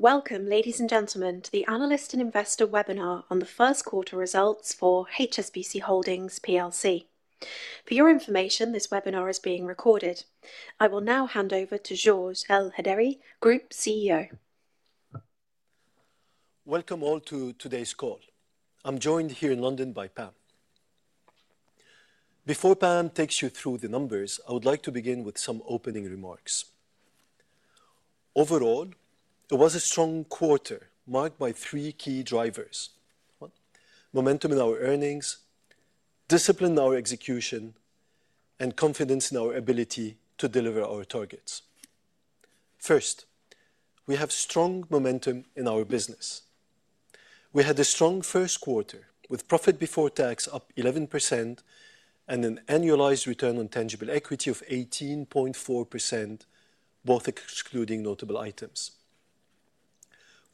Welcome, ladies and gentlemen, to the Analyst and Investor webinar on the first quarter results for HSBC Holdings. For your information, this webinar is being recorded. I will now hand over to Georges Elhedery, Group CEO. Welcome all to today's call. I'm joined here in London by Pam. Before Pam takes you through the numbers, I would like to begin with some opening remarks. Overall, it was a strong quarter marked by three key drivers: momentum in our earnings, discipline in our execution, and confidence in our ability to deliver our targets. First, we have strong momentum in our business. We had a strong first quarter with profit before tax up 11% and an annualized return on tangible equity of 18.4%, both excluding notable items.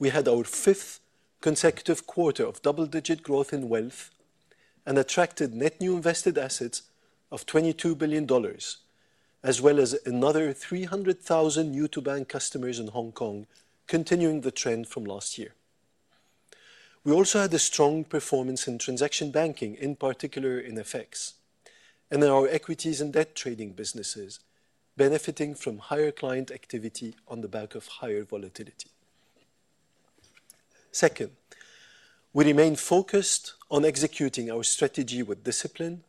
We had our fifth consecutive quarter of double-digit growth in wealth and attracted net new invested assets of $22 billion, as well as another 300,000 new-to-bank customers in Hong Kong, continuing the trend from last year. We also had a strong performance in transaction banking, in particular in FX, and in our equities and debt trading businesses, benefiting from higher client activity on the back of higher volatility. Second, we remain focused on executing our strategy with discipline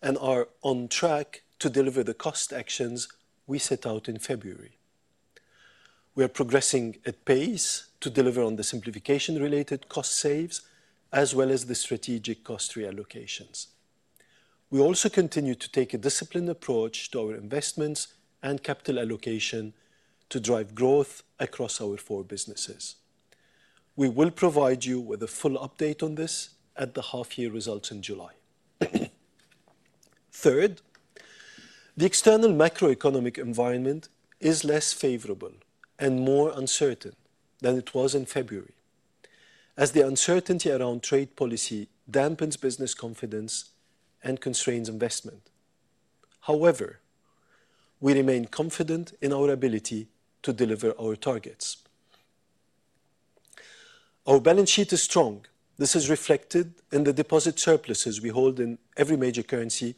and are on track to deliver the cost actions we set out in February. We are progressing at pace to deliver on the simplification-related cost saves, as well as the strategic cost reallocations. We also continue to take a disciplined approach to our investments and capital allocation to drive growth across our four businesses. We will provide you with a full update on this at the half-year results in July. Third, the external macroeconomic environment is less favorable and more uncertain than it was in February, as the uncertainty around trade policy dampens business confidence and constrains investment. However, we remain confident in our ability to deliver our targets. Our balance sheet is strong. This is reflected in the deposit surpluses we hold in every major currency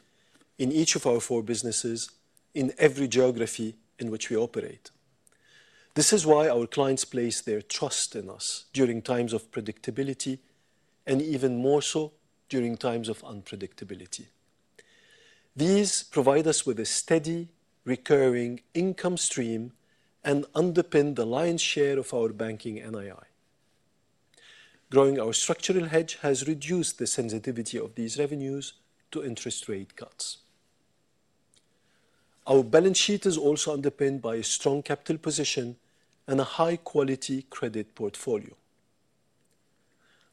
in each of our four businesses, in every geography in which we operate. This is why our clients place their trust in us during times of predictability and even more so during times of unpredictability. These provide us with a steady, recurring income stream and underpin the lion's share of our banking NII. Growing our structural hedge has reduced the sensitivity of these revenues to interest rate cuts. Our balance sheet is also underpinned by a strong capital position and a high-quality credit portfolio.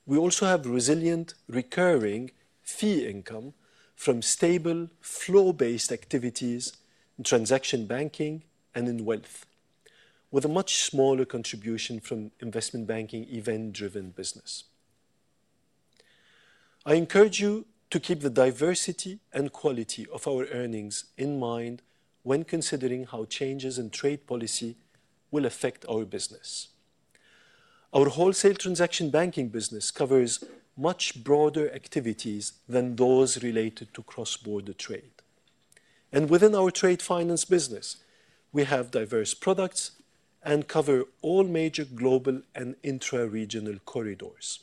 We also have resilient, recurring fee income from stable, flow-based activities in transaction banking and in wealth, with a much smaller contribution from investment banking event-driven business. I encourage you to keep the diversity and quality of our earnings in mind when considering how changes in trade policy will affect our business. Our wholesale transaction banking business covers much broader activities than those related to cross-border trade. Within our trade finance business, we have diverse products and cover all major global and intra-regional corridors.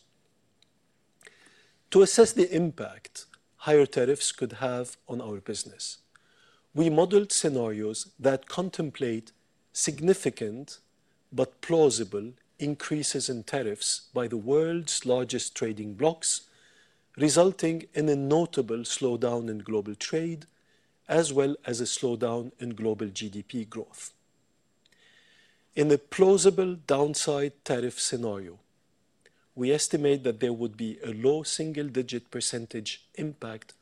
To assess the impact higher tariffs could have on our business, we modeled scenarios that contemplate significant but plausible increases in tariffs by the world's largest trading blocs, resulting in a notable slowdown in global trade, as well as a slowdown in global GDP growth. In a plausible downside tariff scenario, we estimate that there would be a low single-digit % impact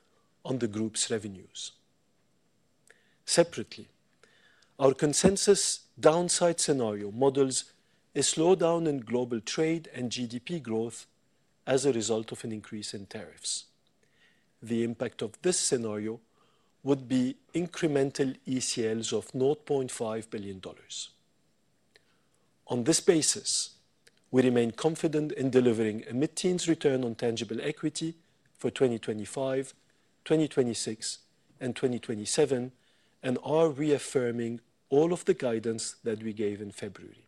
on the group's revenues. Separately, our consensus downside scenario models a slowdown in global trade and GDP growth as a result of an increase in tariffs. The impact of this scenario would be incremental ECLs of $0.5 billion. On this basis, we remain confident in delivering a mitigating return on tangible equity for 2025, 2026, and 2027 and are reaffirming all of the guidance that we gave in February.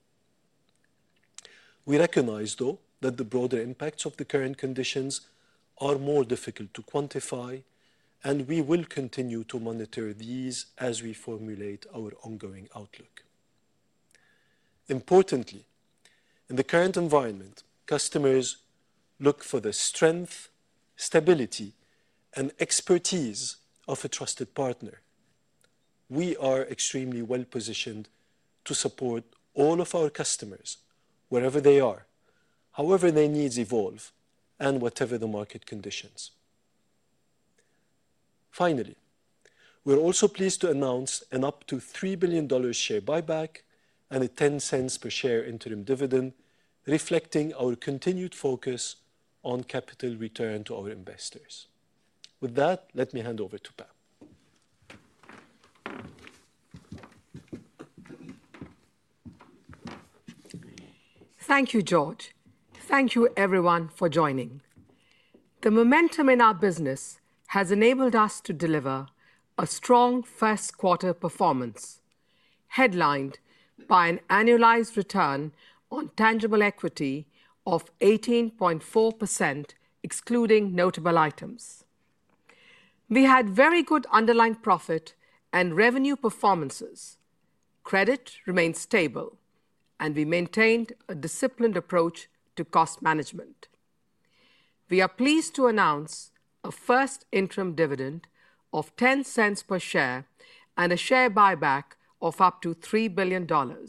We recognize, though, that the broader impacts of the current conditions are more difficult to quantify, and we will continue to monitor these as we formulate our ongoing outlook. Importantly, in the current environment, customers look for the strength, stability, and expertise of a trusted partner. We are extremely well-positioned to support all of our customers, wherever they are, however their needs evolve, and whatever the market conditions. Finally, we're also pleased to announce an up to $3 billion share buyback and a $0.10 per share interim dividend, reflecting our continued focus on capital return to our investors. With that, let me hand over to Pam. Thank you, George. Thank you, everyone, for joining. The momentum in our business has enabled us to deliver a strong first quarter performance, headlined by an annualized return on tangible equity of 18.4%, excluding notable items. We had very good underlying profit and revenue performances. Credit remained stable, and we maintained a disciplined approach to cost management. We are pleased to announce a first interim dividend of $0.10 per share and a share buyback of up to $3 billion. The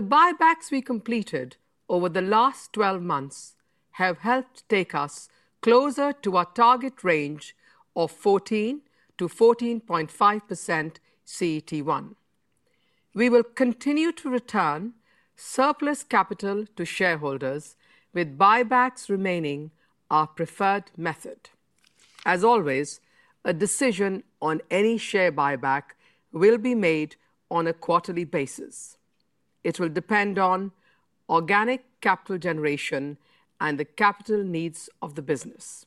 buybacks we completed over the last 12 months have helped take us closer to our target range of 14%-14.5% CET1. We will continue to return surplus capital to shareholders, with buybacks remaining our preferred method. As always, a decision on any share buyback will be made on a quarterly basis. It will depend on organic capital generation and the capital needs of the business.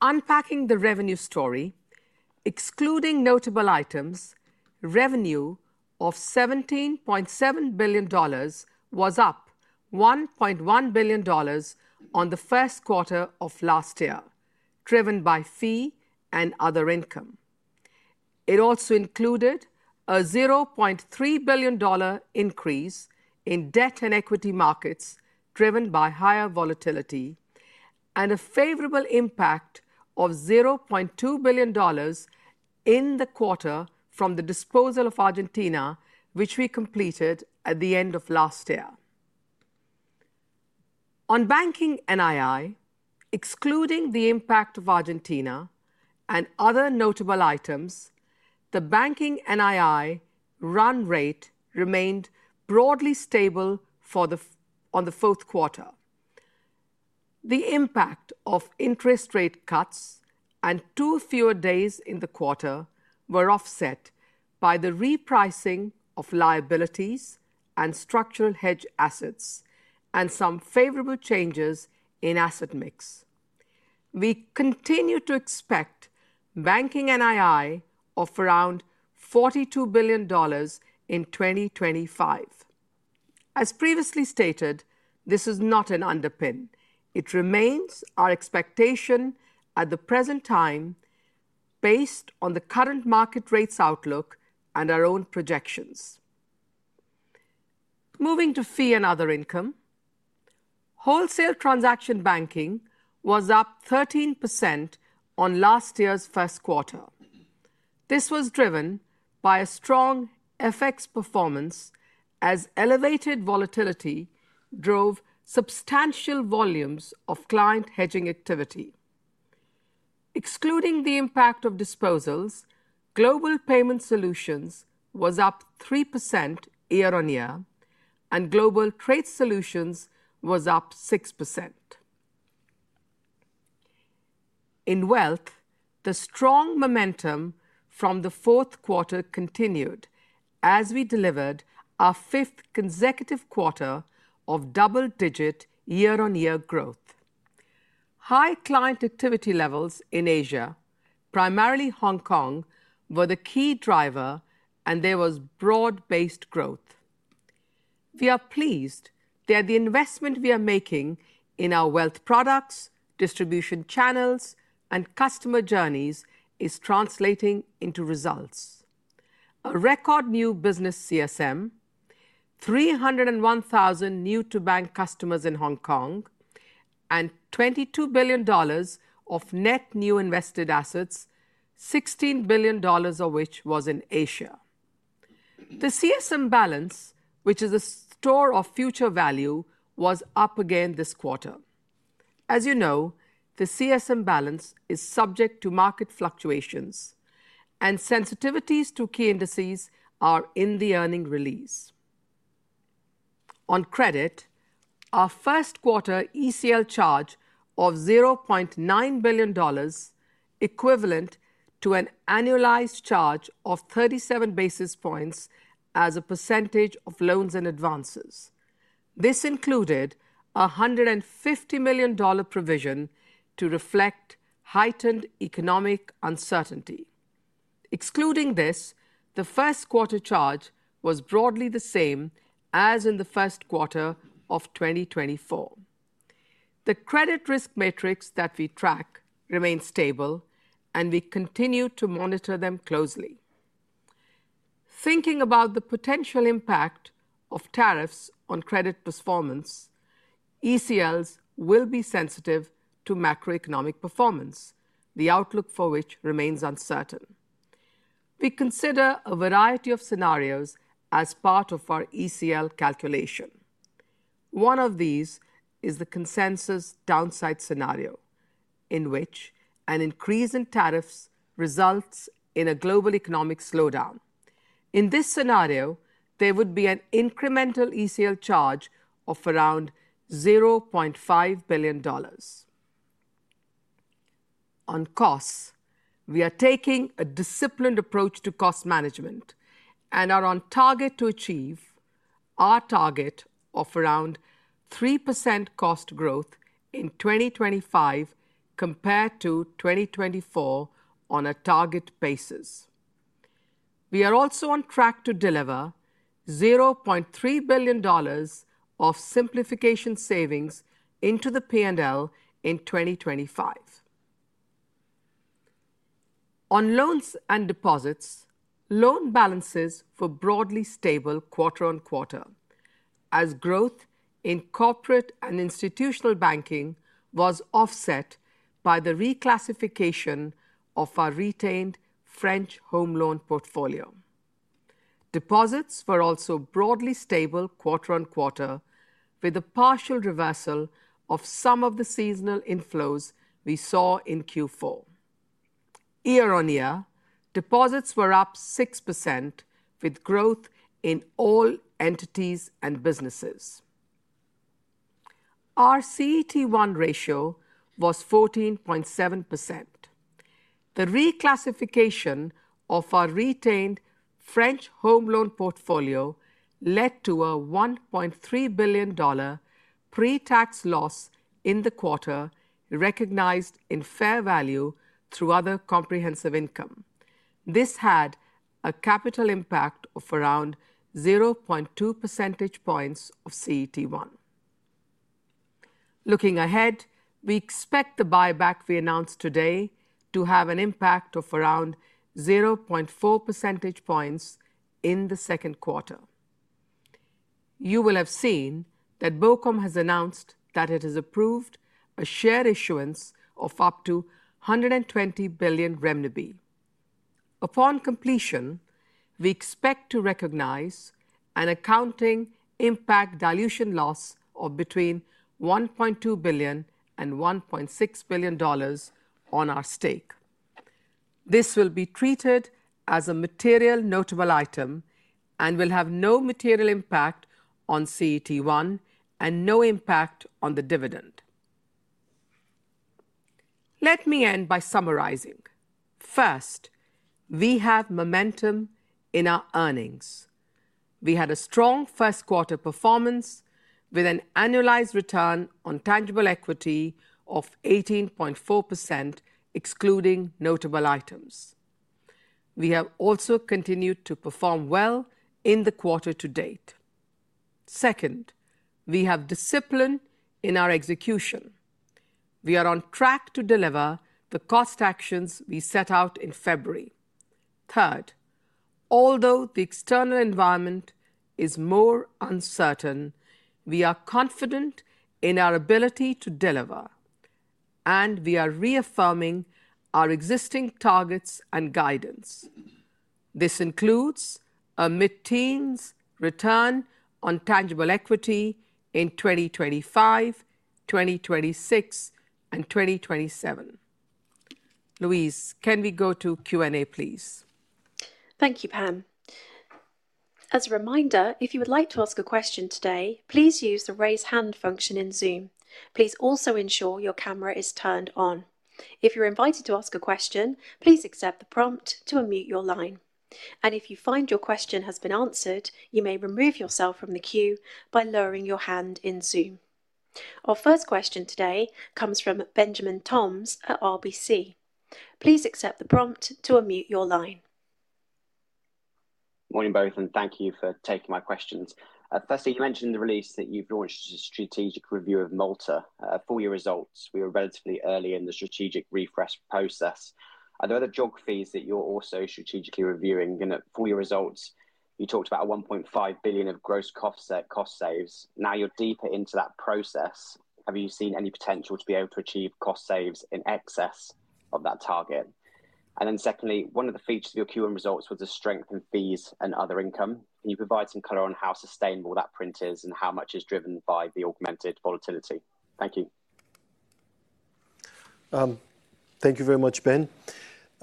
Unpacking the revenue story, excluding notable items, revenue of $17.7 billion was up $1.1 billion on the first quarter of last year, driven by fee and other income. It also included a $0.3 billion increase in debt and equity markets, driven by higher volatility, and a favorable impact of $0.2 billion in the quarter from the disposal of Argentina, which we completed at the end of last year. On banking NII, excluding the impact of Argentina and other notable items, the banking NII run rate remained broadly stable on the fourth quarter. The impact of interest rate cuts and two fewer days in the quarter were offset by the repricing of liabilities and structural hedge assets and some favorable changes in asset mix. We continue to expect banking NII of around $42 billion in 2025. As previously stated, this is not an underpin. It remains our expectation at the present time, based on the current market rates outlook and our own projections. Moving to fee and other income, wholesale transaction banking was up 13% on last year's first quarter. This was driven by a strong FX performance, as elevated volatility drove substantial volumes of client hedging activity. Excluding the impact of disposals, global payment solutions was up 3% year on year, and global trade solutions was up 6%. In wealth, the strong momentum from the fourth quarter continued, as we delivered our fifth consecutive quarter of double-digit year-on-year growth. High client activity levels in Asia, primarily Hong Kong, were the key driver, and there was broad-based growth. We are pleased that the investment we are making in our wealth products, distribution channels, and customer journeys is translating into results: a record new business CSM, 301,000 new-to-bank customers in Hong Kong, and $22 billion of net new invested assets, $16 billion of which was in Asia. The CSM balance, which is a store of future value, was up again this quarter. As you know, the CSM balance is subject to market fluctuations, and sensitivities to key indices are in the earnings release. On credit, our first quarter ECL charge of $0.9 billion, equivalent to an annualized charge of 37 basis points as a percentage of loans and advances. This included a $150 million provision to reflect heightened economic uncertainty. Excluding this, the first quarter charge was broadly the same as in the first quarter of 2024. The credit risk metrics that we track remain stable, and we continue to monitor them closely. Thinking about the potential impact of tariffs on credit performance, ECLs will be sensitive to macroeconomic performance, the outlook for which remains uncertain. We consider a variety of scenarios as part of our ECL calculation. One of these is the consensus downside scenario, in which an increase in tariffs results in a global economic slowdown. In this scenario, there would be an incremental ECL charge of around $0.5 billion. On costs, we are taking a disciplined approach to cost management and are on target to achieve our target of around 3% cost growth in 2025 compared to 2024 on a target basis. We are also on track to deliver $0.3 billion of simplification savings into the P&L in 2025. On loans and deposits, loan balances were broadly stable quarter on quarter, as growth in corporate and institutional banking was offset by the reclassification of our retained French home loan portfolio. Deposits were also broadly stable quarter on quarter, with a partial reversal of some of the seasonal inflows we saw in Q4. Year on year, deposits were up 6%, with growth in all entities and businesses. Our CET1 ratio was 14.7%. The reclassification of our retained French home loan portfolio led to a $1.3 billion pre-tax loss in the quarter, recognized in fair value through other comprehensive income. This had a capital impact of around 0.2 percentage points of CET1. Looking ahead, we expect the buyback we announced today to have an impact of around 0.4 percentage points in the second quarter. You will have seen that BOCOM has announced that it has approved a share issuance of up to 120 billion renminbi. Upon completion, we expect to recognize an accounting impact dilution loss of between $1.2 billion and $1.6 billion on our stake. This will be treated as a material notable item and will have no material impact on CET1 and no impact on the dividend. Let me end by summarizing. First, we have momentum in our earnings. We had a strong first quarter performance, with an annualized return on tangible equity of 18.4%, excluding notable items. We have also continued to perform well in the quarter to date. Second, we have discipline in our execution. We are on track to deliver the cost actions we set out in February. Third, although the external environment is more uncertain, we are confident in our ability to deliver, and we are reaffirming our existing targets and guidance. This includes a mid-teens return on tangible equity in 2025, 2026, and 2027. Louise, can we go to Q&A, please? Thank you, Pam. As a reminder, if you would like to ask a question today, please use the raise hand function in Zoom. Please also ensure your camera is turned on. If you're invited to ask a question, please accept the prompt to unmute your line. If you find your question has been answered, you may remove yourself from the queue by lowering your hand in Zoom. Our first question today comes from Benjamin Toms at RBC. Please accept the prompt to unmute your line. Good morning, both, and thank you for taking my questions. Firstly, you mentioned in the release that you've launched a strategic review of Malta for your results. We are relatively early in the strategic refresh process. Are there other geographies that you're also strategically reviewing? In full, your results, you talked about a $1.5 billion of gross cost saves. Now you're deeper into that process. Have you seen any potential to be able to achieve cost saves in excess of that target? Secondly, one of the features of your Q1 results was a strength in fees and other income. Can you provide some color on how sustainable that print is and how much is driven by the augmented volatility? Thank you. Thank you very much, Ben.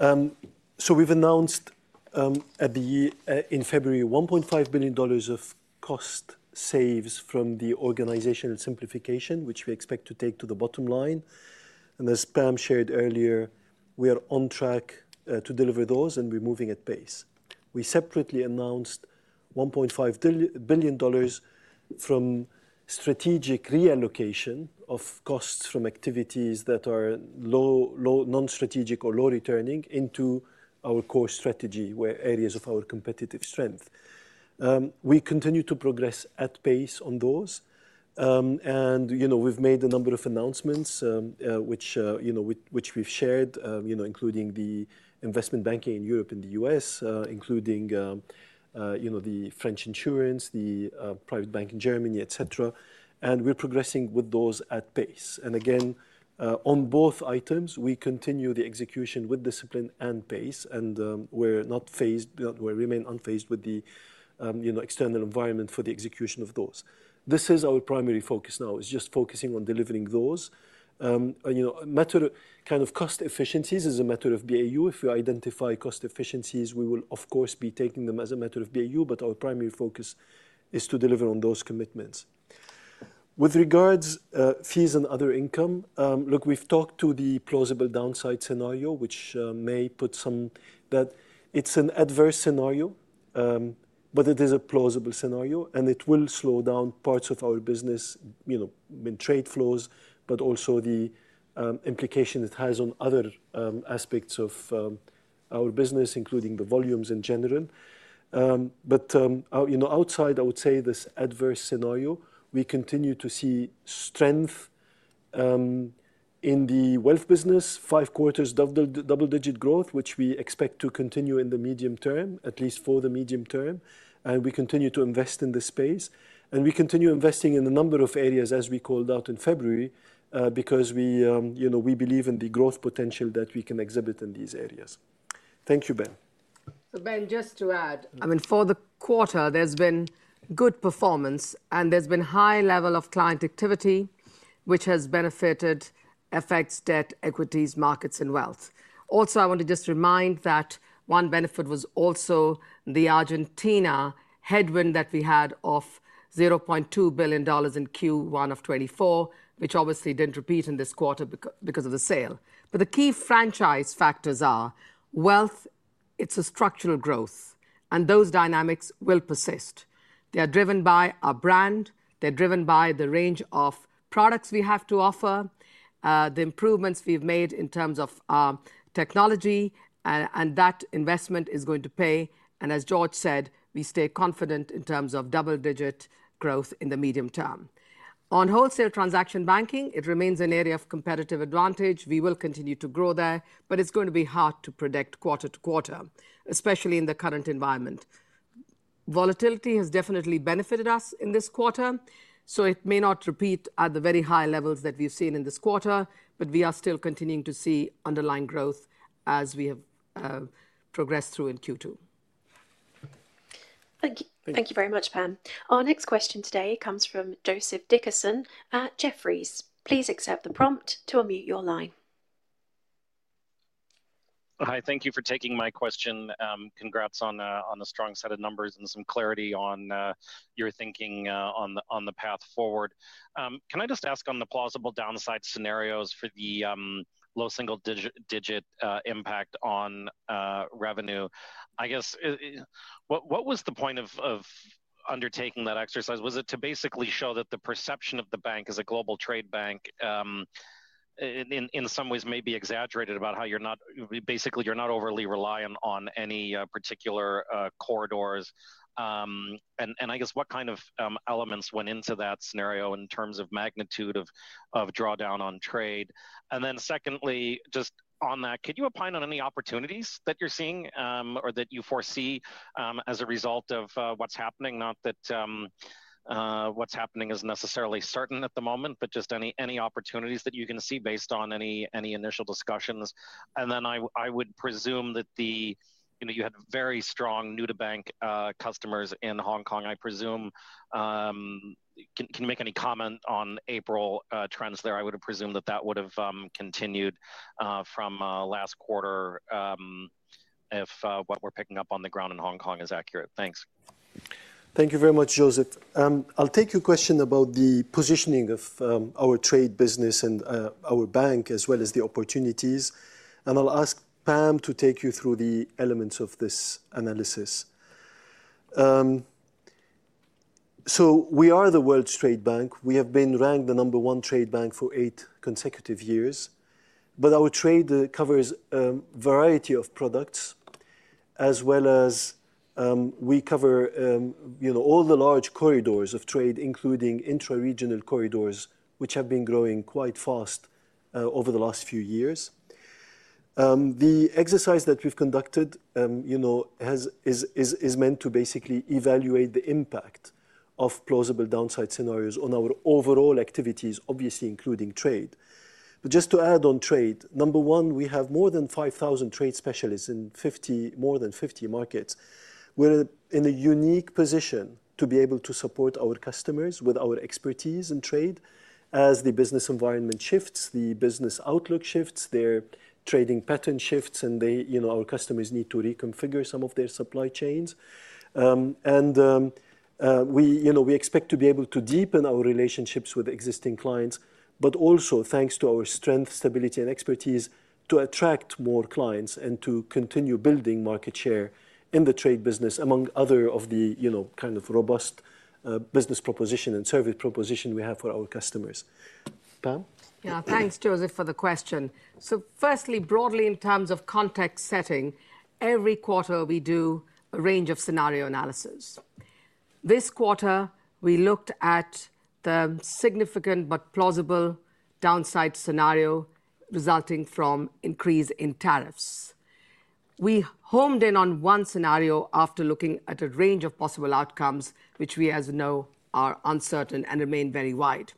We have announced in February $1.5 billion of cost saves from the organizational simplification, which we expect to take to the bottom line. As Pam shared earlier, we are on track to deliver those, and we are moving at pace. We separately announced $1.5 billion from strategic reallocation of costs from activities that are low, non-strategic, or low returning into our core strategy, where areas of our competitive strength. We continue to progress at pace on those. We have made a number of announcements, which we have shared, including the investment banking in Europe and the US, including the French insurance, the private bank in Germany, et cetera. We are progressing with those at pace. Again, on both items, we continue the execution with discipline and pace. We are not phased; we remain unfazed with the external environment for the execution of those. This is our primary focus now. It's just focusing on delivering those. Matter of cost efficiencies is a matter of BAU. If we identify cost efficiencies, we will, of course, be taking them as a matter of BAU. Our primary focus is to deliver on those commitments. With regards to fees and other income, look, we've talked to the plausible downside scenario, which may put some. That it's an adverse scenario, but it is a plausible scenario, and it will slow down parts of our business, trade flows, but also the implication it has on other aspects of our business, including the volumes in general. Outside, I would say this adverse scenario, we continue to see strength in the wealth business, five quarters double-digit growth, which we expect to continue in the medium term, at least for the medium term. We continue to invest in this space. We continue investing in a number of areas, as we called out in February, because we believe in the growth potential that we can exhibit in these areas. Thank you, Ben. Ben, just to add, I mean, for the quarter, there's been good performance, and there's been a high level of client activity, which has benefited FX, debt, equities, markets, and wealth. Also, I want to just remind that one benefit was also the Argentina headwind that we had of $0.2 billion in Q1 of 2024, which obviously didn't repeat in this quarter because of the sale. The key franchise factors are wealth; it's a structural growth, and those dynamics will persist. They are driven by our brand. They're driven by the range of products we have to offer, the improvements we've made in terms of technology, and that investment is going to pay. As George said, we stay confident in terms of double-digit growth in the medium term. On wholesale transaction banking, it remains an area of competitive advantage. We will continue to grow there, but it's going to be hard to predict quarter to quarter, especially in the current environment. Volatility has definitely benefited us in this quarter, so it may not repeat at the very high levels that we've seen in this quarter, but we are still continuing to see underlying growth as we have progressed through in Q2. Thank you very much, Pam. Our next question today comes from Joseph Dickerson at Jefferies. Please accept the prompt to unmute your line. Hi, thank you for taking my question. Congrats on a strong set of numbers and some clarity on your thinking on the path forward. Can I just ask on the plausible downside scenarios for the low single-digit impact on revenue? I guess what was the point of undertaking that exercise? Was it to basically show that the perception of the bank as a global trade bank, in some ways, may be exaggerated about how you're not basically you're not overly reliant on any particular corridors? I guess what kind of elements went into that scenario in terms of magnitude of drawdown on trade? Secondly, just on that, could you opine on any opportunities that you're seeing or that you foresee as a result of what's happening? Not that what's happening is necessarily certain at the moment, but just any opportunities that you can see based on any initial discussions. I would presume that you had very strong new-to-bank customers in Hong Kong, I presume. Can you make any comment on April trends there? I would have presumed that that would have continued from last quarter if what we're picking up on the ground in Hong Kong is accurate. Thanks. Thank you very much, Joseph. I'll take your question about the positioning of our trade business and our bank, as well as the opportunities. I'll ask Pam to take you through the elements of this analysis. We are the world's trade bank. We have been ranked the number one trade bank for eight consecutive years. Our trade covers a variety of products, as well as we cover all the large corridors of trade, including intra-regional corridors, which have been growing quite fast over the last few years. The exercise that we've conducted is meant to basically evaluate the impact of plausible downside scenarios on our overall activities, obviously including trade. Just to add on trade, number one, we have more than 5,000 trade specialists in more than 50 markets. We're in a unique position to be able to support our customers with our expertise in trade. As the business environment shifts, the business outlook shifts, their trading pattern shifts, and our customers need to reconfigure some of their supply chains. We expect to be able to deepen our relationships with existing clients, but also thanks to our strength, stability, and expertise to attract more clients and to continue building market share in the trade business, among other of the kind of robust business proposition and service proposition we have for our customers. Pam? Yeah, thanks, Joseph, for the question. Firstly, broadly in terms of context setting, every quarter we do a range of scenario analysis. This quarter, we looked at the significant but plausible downside scenario resulting from increase in tariffs. We homed in on one scenario after looking at a range of possible outcomes, which we, as we know, are uncertain and remain very wide.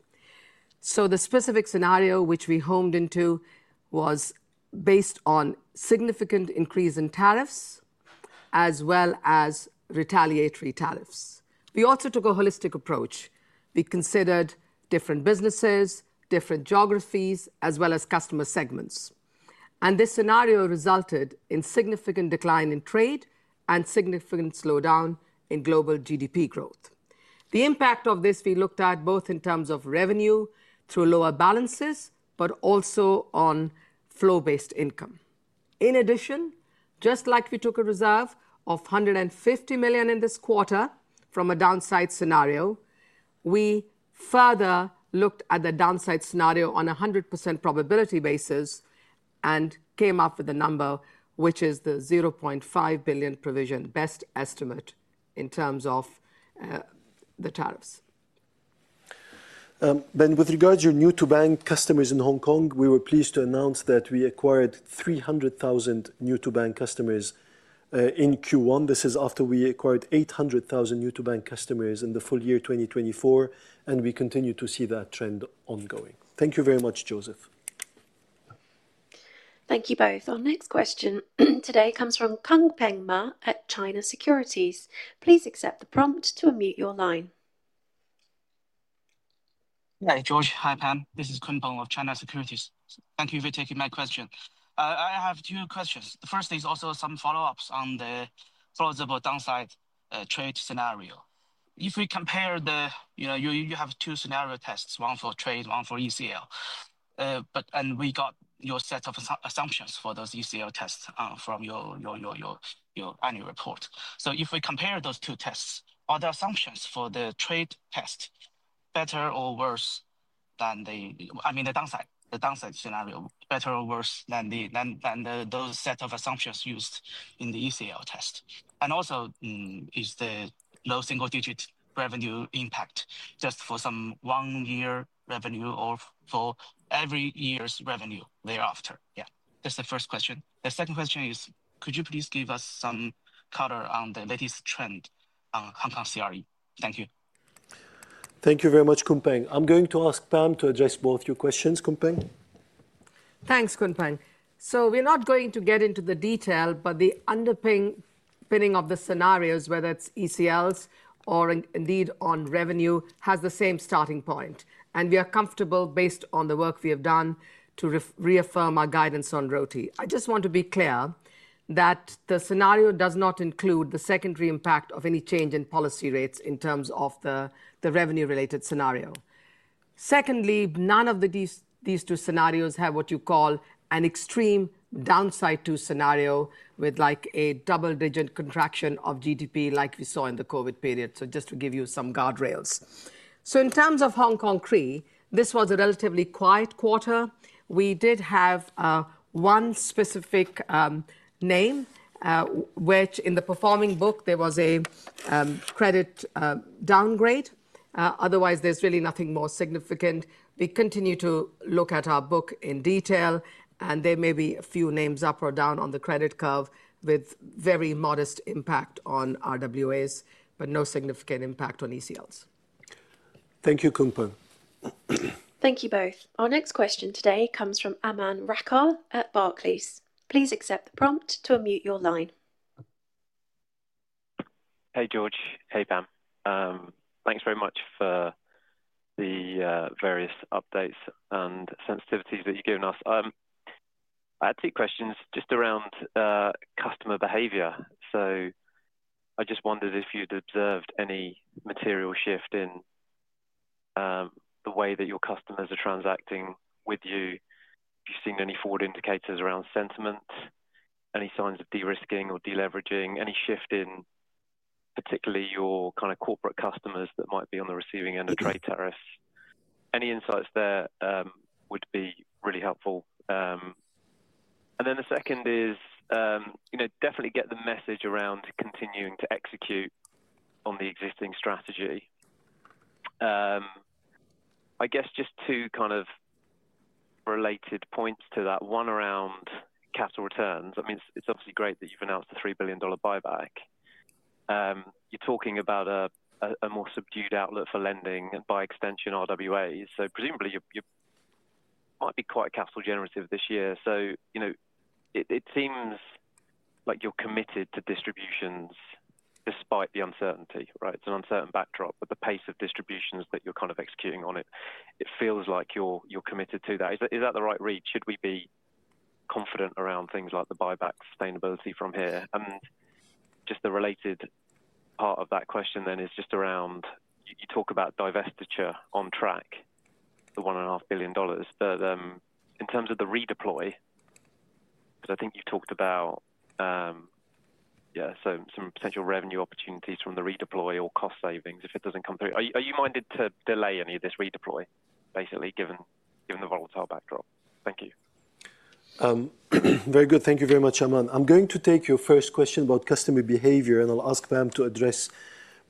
The specific scenario which we homed into was based on significant increase in tariffs, as well as retaliatory tariffs. We also took a holistic approach. We considered different businesses, different geographies, as well as customer segments. This scenario resulted in significant decline in trade and significant slowdown in global GDP growth. The impact of this we looked at both in terms of revenue through lower balances, but also on flow-based income. In addition, just like we took a reserve of $150 million in this quarter from a downside scenario, we further looked at the downside scenario on a 100% probability basis and came up with a number, which is the $500 million provision, best estimate in terms of the tariffs. Ben, with regards to your new-to-bank customers in Hong Kong, we were pleased to announce that we acquired 300,000 new-to-bank customers in Q1. This is after we acquired 800,000 new-to-bank customers in the full year 2024. We continue to see that trend ongoing. Thank you very much, Joseph. Thank you both. Our next question today comes from Kung Peng Ma at China Securities. Please accept the prompt to unmute your line. Yeah, George, hi, Pam. This is Kung Peng of China Securities. Thank you for taking my question. I have two questions. The first is also some follow-ups on the plausible downside trade scenario. If we compare the you have two scenario tests, one for trade, one for ECL. We got your set of assumptions for those ECL tests from your annual report. If we compare those two tests, are the assumptions for the trade test better or worse than the I mean, the downside scenario, better or worse than those set of assumptions used in the ECL test? Also, is the low single-digit revenue impact just for some one-year revenue or for every year's revenue thereafter? Yeah, that's the first question. The second question is, could you please give us some color on the latest trend on Hong Kong CRE? Thank you. Thank you very much, Kung Peng. I'm going to ask Pam to address both your questions, Kung Peng. Thanks, Kung Peng. We're not going to get into the detail, but the underpinning of the scenarios, whether it's ECLs or indeed on revenue, has the same starting point. We are comfortable, based on the work we have done, to reaffirm our guidance on ROTE. I just want to be clear that the scenario does not include the secondary impact of any change in policy rates in terms of the revenue-related scenario. Secondly, none of these two scenarios have what you call an extreme downside scenario with like a double-digit contraction of GDP like we saw in the COVID period. Just to give you some guardrails. In terms of Hong Kong CRE, this was a relatively quiet quarter. We did have one specific name, which in the performing book, there was a credit downgrade. Otherwise, there's really nothing more significant. We continue to look at our book in detail, and there may be a few names up or down on the credit curve with very modest impact on RWAs, but no significant impact on ECLs. Thank you, Kung Peng. Thank you both. Our next question today comes from Aman Rakkar at Barclays. Please accept the prompt to unmute your line. Hey, George. Hey, Pam. Thanks very much for the various updates and sensitivities that you've given us. I had two questions just around customer behavior. I just wondered if you'd observed any material shift in the way that your customers are transacting with you. Have you seen any forward indicators around sentiment, any signs of de-risking or de-leveraging, any shift in particularly your kind of corporate customers that might be on the receiving end of trade tariffs? Any insights there would be really helpful. The second is definitely get the message around continuing to execute on the existing strategy. I guess just two kind of related points to that, one around capital returns. I mean, it's obviously great that you've announced a $3 billion buyback. You're talking about a more subdued outlook for lending and by extension, RWAs. Presumably, you might be quite capital generative this year. It seems like you're committed to distributions despite the uncertainty, right? It's an uncertain backdrop, but the pace of distributions that you're kind of executing on, it feels like you're committed to that. Is that the right read? Should we be confident around things like the buyback sustainability from here? The related part of that question then is just around you talk about divestiture on track, the $1.5 billion. In terms of the redeploy, because I think you've talked about, yeah, some potential revenue opportunities from the redeploy or cost savings if it doesn't come through, are you minded to delay any of this redeploy, basically, given the volatile backdrop? Thank you. Very good. Thank you very much, Aman. I'm going to take your first question about customer behavior, and I'll ask Pam to address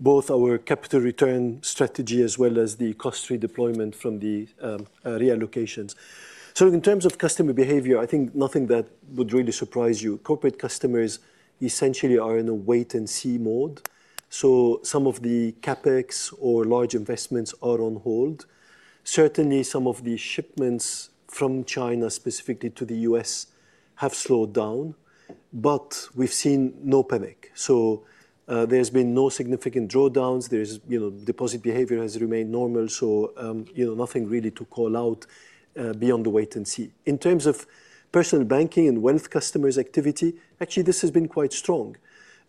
both our capital return strategy as well as the cost redeployment from the reallocations. In terms of customer behavior, I think nothing that would really surprise you. Corporate customers essentially are in a wait-and-see mode. Some of the CapEx or large investments are on hold. Certainly, some of the shipments from China specifically to the US have slowed down, but we've seen no panic. There has been no significant drawdowns. Deposit behavior has remained normal. Nothing really to call out beyond the wait-and-see. In terms of personal banking and wealth customers' activity, actually, this has been quite strong.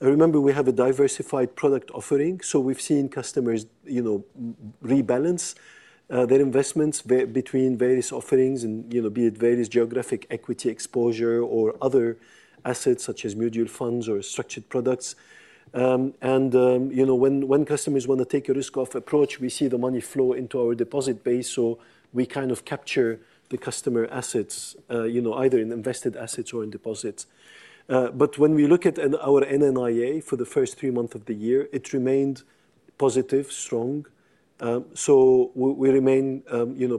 I remember we have a diversified product offering, so we've seen customers rebalance their investments between various offerings, be it various geographic equity exposure or other assets such as mutual funds or structured products. When customers want to take a risk-off approach, we see the money flow into our deposit base. We kind of capture the customer assets, either in invested assets or in deposits. When we look at our NNIA for the first three months of the year, it remained positive, strong. We remain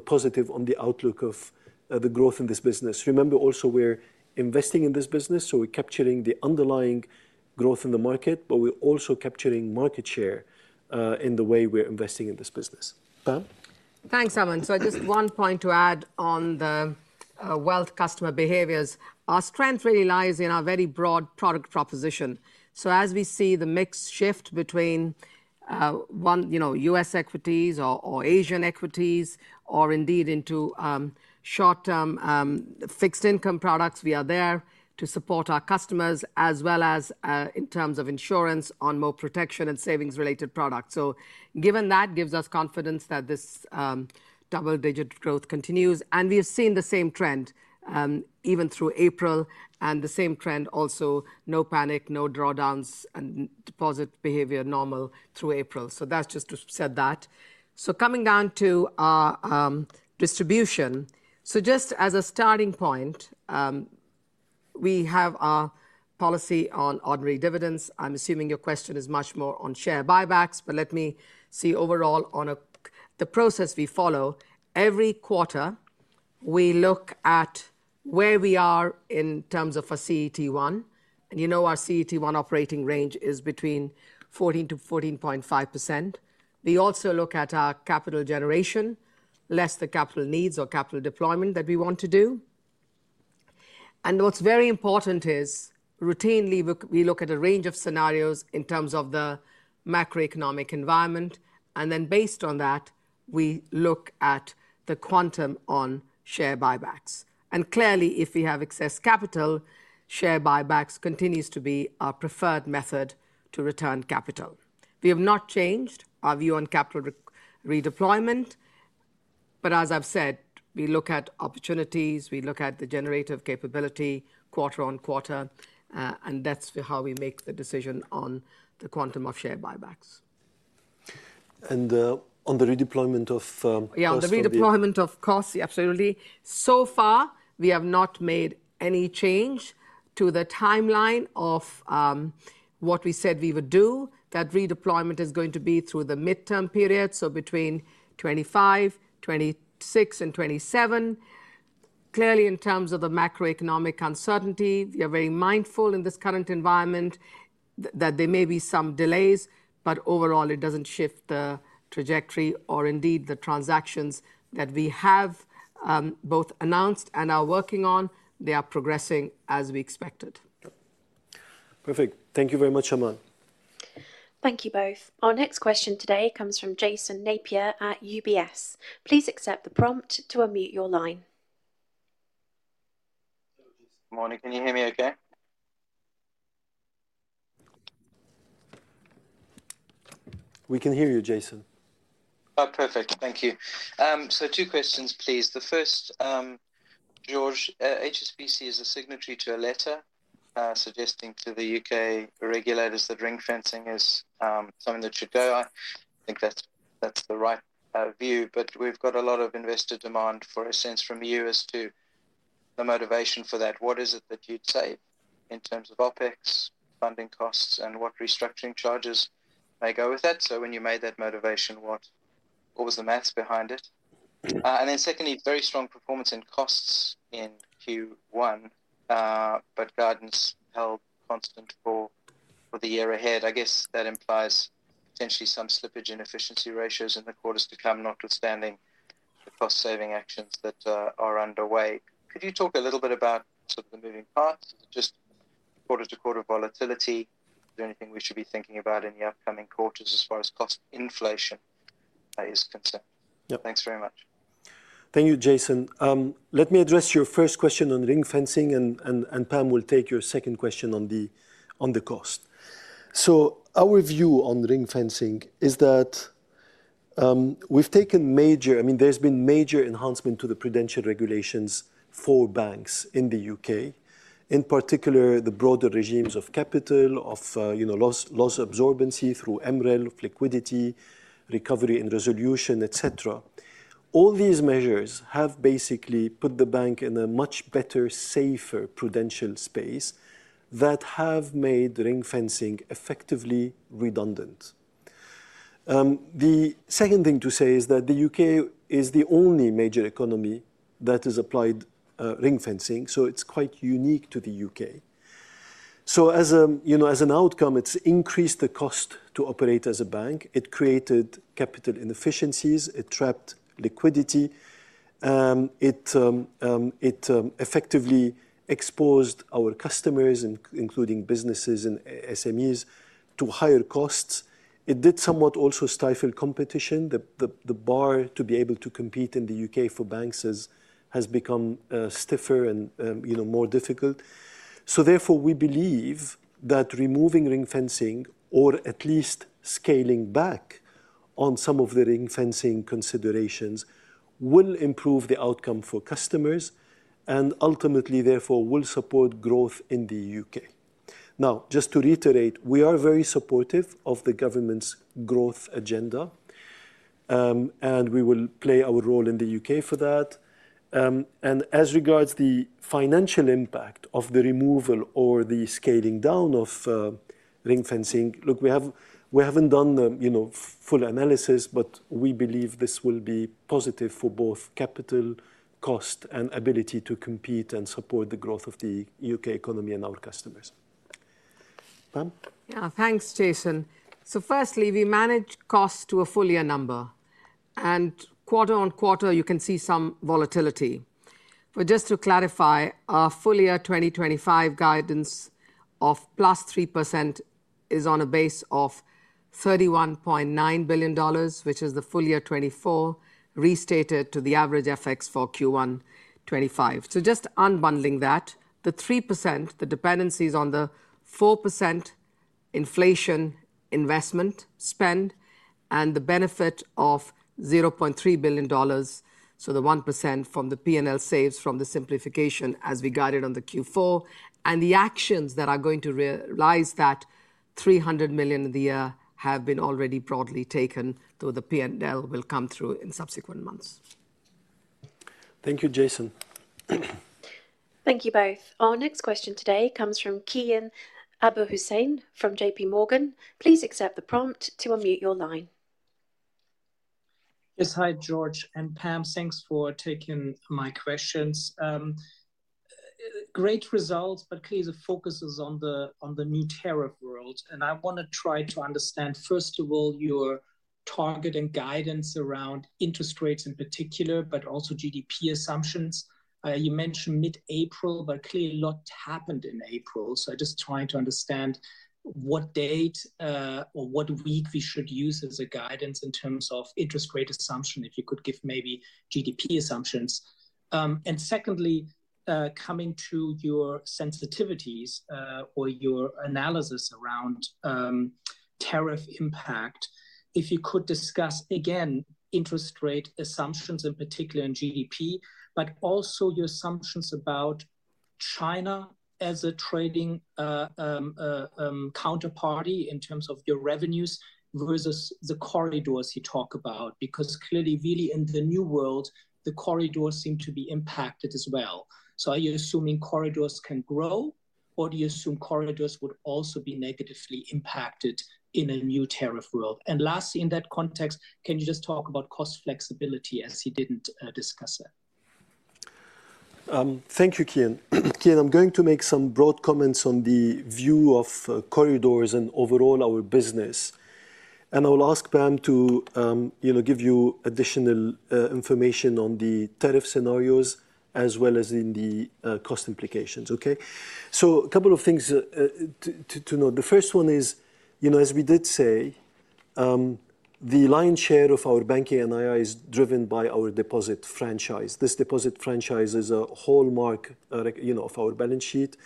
positive on the outlook of the growth in this business. Remember, also, we're investing in this business, so we're capturing the underlying growth in the market, but we're also capturing market share in the way we're investing in this business. Pam? Thanks, Aman. Just one point to add on the wealth customer behaviors. Our strength really lies in our very broad product proposition. As we see the mix shift between US equities or Asian equities or indeed into short-term fixed income products, we are there to support our customers, as well as in terms of insurance on more protection and savings-related products. Given that, it gives us confidence that this double-digit growth continues. We have seen the same trend even through April and the same trend also, no panic, no drawdowns, and deposit behavior normal through April. That is just to set that. Coming down to our distribution, just as a starting point, we have our policy on ordinary dividends. I am assuming your question is much more on share buybacks, but let me see overall on the process we follow. Every quarter, we look at where we are in terms of our CET1. You know our CET1 operating range is between 14%-14.5%. We also look at our capital generation, less the capital needs or capital deployment that we want to do. What is very important is routinely, we look at a range of scenarios in terms of the macroeconomic environment. Based on that, we look at the quantum on share buybacks. Clearly, if we have excess capital, share buybacks continue to be our preferred method to return capital. We have not changed our view on capital redeployment, but as I have said, we look at opportunities. We look at the generative capability quarter on quarter, and that is how we make the decision on the quantum of share buybacks. On the redeployment of costs? Yeah, on the redeployment of costs, absolutely. So far, we have not made any change to the timeline of what we said we would do. That redeployment is going to be through the midterm period, so between 2025, 2026, and 2027. Clearly, in terms of the macroeconomic uncertainty, we are very mindful in this current environment that there may be some delays, but overall, it does not shift the trajectory or indeed the transactions that we have both announced and are working on. They are progressing as we expected. Perfect. Thank you very much, Aman. Thank you both. Our next question today comes from Jason Napier at UBS. Please accept the prompt to unmute your line. Good morning. Can you hear me okay? We can hear you, Jason. Perfect. Thank you. Two questions, please. The first, George, HSBC is a signatory to a letter suggesting to the U.K. regulators that ring-fencing is something that should go. I think that's the right view, but we've got a lot of investor demand for a sense from you as to the motivation for that. What is it that you'd say in terms of OpEx, funding costs, and what restructuring charges may go with that? When you made that motivation, what was the math behind it? Secondly, very strong performance in costs in Q1, but guidance held constant for the year ahead. I guess that implies potentially some slippage in efficiency ratios in the quarters to come, notwithstanding the cost-saving actions that are underway. Could you talk a little bit about sort of the moving parts, just quarter-to-quarter volatility? Is there anything we should be thinking about in the upcoming quarters as far as cost inflation is concerned? Yep. Thanks very much. Thank you, Jason. Let me address your first question on ring-fencing, and Pam will take your second question on the cost. Our view on ring-fencing is that we've taken major, I mean, there's been major enhancement to the prudential regulations for banks in the U.K., in particular the broader regimes of capital, of loss absorbency through Emeril, of liquidity, recovery and resolution, etc. All these measures have basically put the bank in a much better, safer prudential space that have made ring-fencing effectively redundant. The second thing to say is that the U.K. is the only major economy that has applied ring-fencing, so it's quite unique to the U.K. As an outcome, it's increased the cost to operate as a bank. It created capital inefficiencies. It trapped liquidity. It effectively exposed our customers, including businesses and SMEs, to higher costs. It did somewhat also stifle competition. The bar to be able to compete in the U.K. for banks has become stiffer and more difficult. Therefore, we believe that removing ring-fencing or at least scaling back on some of the ring-fencing considerations will improve the outcome for customers and ultimately, therefore, will support growth in the U.K. Now, just to reiterate, we are very supportive of the government's growth agenda, and we will play our role in the U.K. for that. As regards the financial impact of the removal or the scaling down of ring-fencing, look, we have not done the full analysis, but we believe this will be positive for both capital, cost, and ability to compete and support the growth of the U.K. economy and our customers. Pam? Yeah, thanks, Jason. Firstly, we manage costs to a full-year number. Quarter on quarter, you can see some volatility. Just to clarify, our full-year 2025 guidance of +3% is on a base of $31.9 billion, which is the full-year 2024, restated to the average FX for Q1 2025. Just unbundling that, the 3%, the dependencies on the 4% inflation investment spend and the benefit of $0.3 billion, so the 1% from the P&L saves from the simplification as we guided on the Q4, and the actions that are going to realize that $300 million in the year have been already broadly taken, though the P&L will come through in subsequent months. Thank you, Jason. Thank you both. Our next question today comes from Kian Abouhossein from JP Morgan. Please accept the prompt to unmute your line. Yes, hi, George. And Pam, thanks for taking my questions. Great results, but clearly the focus is on the new tariff world. I want to try to understand, first of all, your target and guidance around interest rates in particular, but also GDP assumptions. You mentioned mid-April, but clearly a lot happened in April. I am just trying to understand what date or what week we should use as a guidance in terms of interest rate assumption if you could give maybe GDP assumptions. Secondly, coming to your sensitivities or your analysis around tariff impact, if you could discuss again interest rate assumptions in particular in GDP, but also your assumptions about China as a trading counterparty in terms of your revenues versus the corridors you talk about, because clearly, really in the new world, the corridors seem to be impacted as well. Are you assuming corridors can grow, or do you assume corridors would also be negatively impacted in a new tariff world? Lastly, in that context, can you just talk about cost flexibility as you did not discuss it? Thank you, Kian. Kian, I'm going to make some broad comments on the view of corridors and overall our business. I will ask Pam to give you additional information on the tariff scenarios as well as in the cost implications, okay? A couple of things to note. The first one is, as we did say, the lion's share of our banking and IRS is driven by our deposit franchise. This deposit franchise is a hallmark of our balance sheet.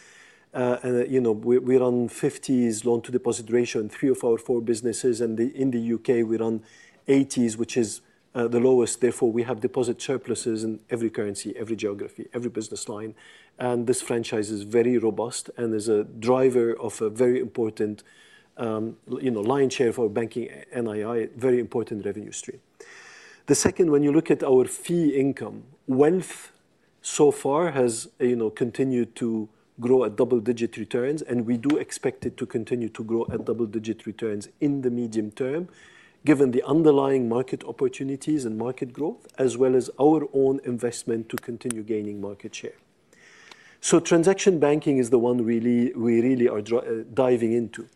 We run 50s loan-to-deposit ratio in three of our four businesses. In the U.K., we run 80s, which is the lowest. Therefore, we have deposit surpluses in every currency, every geography, every business line. This franchise is very robust and is a driver of a very important lion's share for banking and IRS, a very important revenue stream. The second, when you look at our fee income, wealth so far has continued to grow at double-digit returns, and we do expect it to continue to grow at double-digit returns in the medium term given the underlying market opportunities and market growth, as well as our own investment to continue gaining market share. Transaction banking is the one we really are diving into.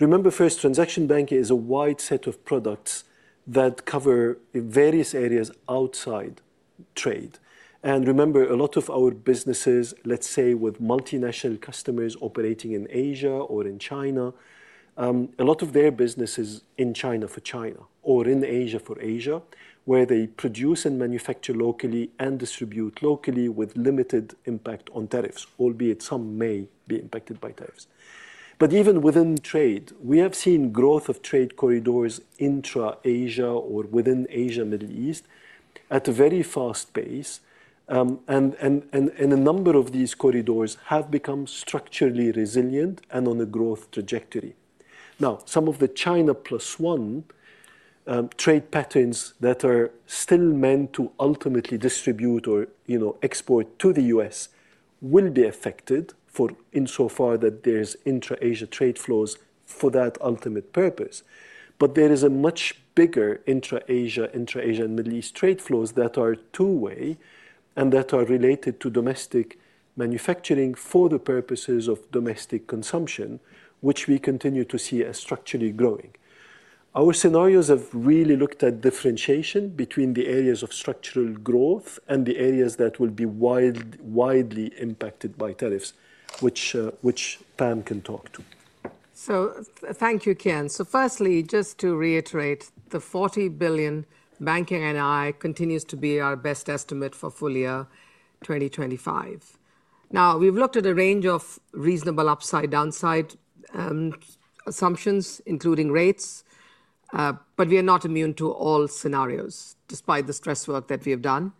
Remember, first, transaction banking is a wide set of products that cover various areas outside trade. Remember, a lot of our businesses, let's say with multinational customers operating in Asia or in China, a lot of their business is in China for China or in Asia for Asia, where they produce and manufacture locally and distribute locally with limited impact on tariffs, albeit some may be impacted by tariffs. Even within trade, we have seen growth of trade corridors intra-Asia or within Asia-Middle East at a very fast pace. A number of these corridors have become structurally resilient and on a growth trajectory. Now, some of the China plus one trade patterns that are still meant to ultimately distribute or export to the US will be affected insofar that there is intra-Asia trade flows for that ultimate purpose. There is a much bigger intra-Asia, intra-Asian Middle East trade flows that are two-way and that are related to domestic manufacturing for the purposes of domestic consumption, which we continue to see as structurally growing. Our scenarios have really looked at differentiation between the areas of structural growth and the areas that will be widely impacted by tariffs, which Pam can talk to. Thank you, Kian. Firstly, just to reiterate, the $40 billion banking and IRS continues to be our best estimate for full-year 2025. We have looked at a range of reasonable upside/downside assumptions, including rates, but we are not immune to all scenarios despite the stress work that we have done.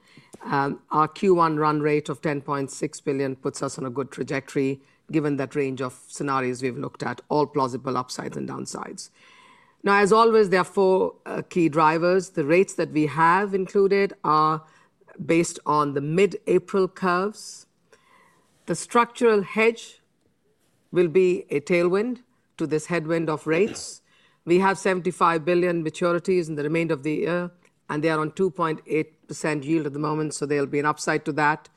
Our Q1 run rate of $10.6 billion puts us on a good trajectory given that range of scenarios we have looked at, all plausible upsides and downsides. As always, there are four key drivers. The rates that we have included are based on the mid-April curves. The structural hedge will be a tailwind to this headwind of rates. We have $75 billion maturities in the remainder of the year, and they are on 2.8% yield at the moment, so there will be an upside to that.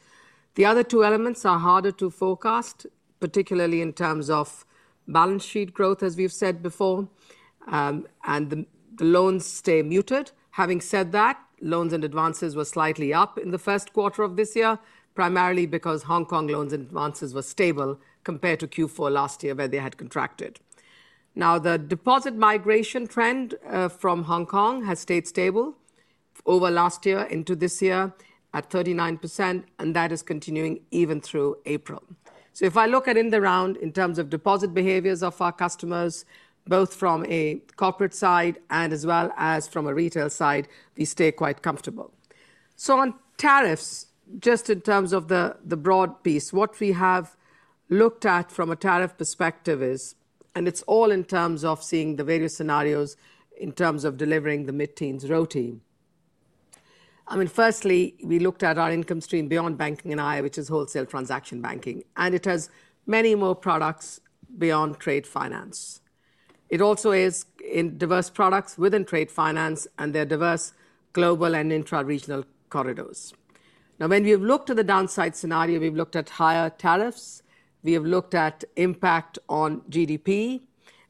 The other two elements are harder to forecast, particularly in terms of balance sheet growth, as we've said before, and the loans stay muted. Having said that, loans and advances were slightly up in the first quarter of this year, primarily because Hong Kong loans and advances were stable compared to Q4 last year where they had contracted. Now, the deposit migration trend from Hong Kong has stayed stable over last year into this year at 39%, and that is continuing even through April. If I look at in the round in terms of deposit behaviors of our customers, both from a corporate side and as well as from a retail side, we stay quite comfortable. On tariffs, just in terms of the broad piece, what we have looked at from a tariff perspective is, and it's all in terms of seeing the various scenarios in terms of delivering the mid-teens ROTE. I mean, firstly, we looked at our income stream beyond banking and IRS, which is wholesale transaction banking, and it has many more products beyond trade finance. It also is in diverse products within trade finance and their diverse global and intra-regional corridors. Now, when we have looked at the downside scenario, we've looked at higher tariffs. We have looked at impact on GDP,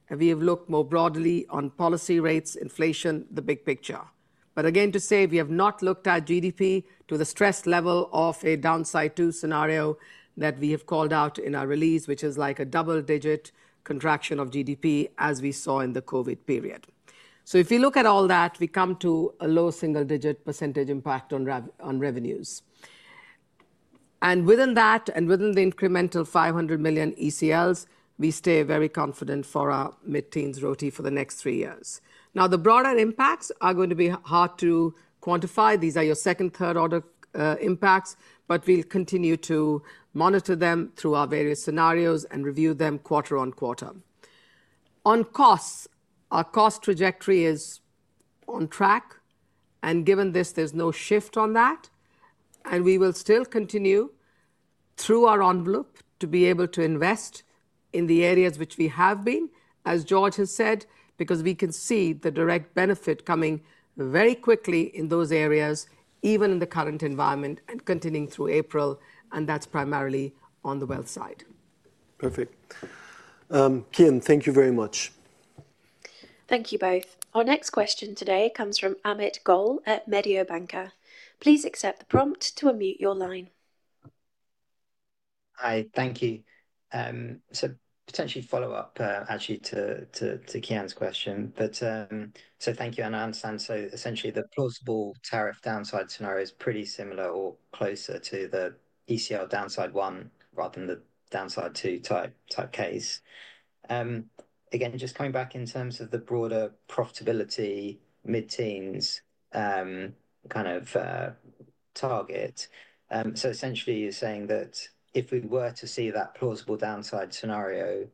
and we have looked more broadly on policy rates, inflation, the big picture. Again, to say we have not looked at GDP to the stress level of a downside-to scenario that we have called out in our release, which is like a double-digit contraction of GDP as we saw in the COVID period. If we look at all that, we come to a low single-digit % impact on revenues. Within that and within the incremental $500 million ECLs, we stay very confident for our mid-teens ROTE for the next three years. The broader impacts are going to be hard to quantify. These are your second, third-order impacts, but we'll continue to monitor them through our various scenarios and review them quarter on quarter. On costs, our cost trajectory is on track. Given this, there's no shift on that. We will still continue through our envelope to be able to invest in the areas which we have been, as Georges has said, because we can see the direct benefit coming very quickly in those areas, even in the current environment and continuing through April. That is primarily on the wealth side. Perfect. Kian, thank you very much. Thank you both. Our next question today comes from Amit Goel at Meteobanker. Please accept the prompt to unmute your line. Hi, thank you. Potentially follow up actually to Kian's question, but thank you. I understand essentially the plausible tariff downside scenario is pretty similar or closer to the ECL downside-one rather than the downside-two type case. Again, just coming back in terms of the broader profitability mid-teens kind of target. Essentially you're saying that if we were to see that plausible downside scenario,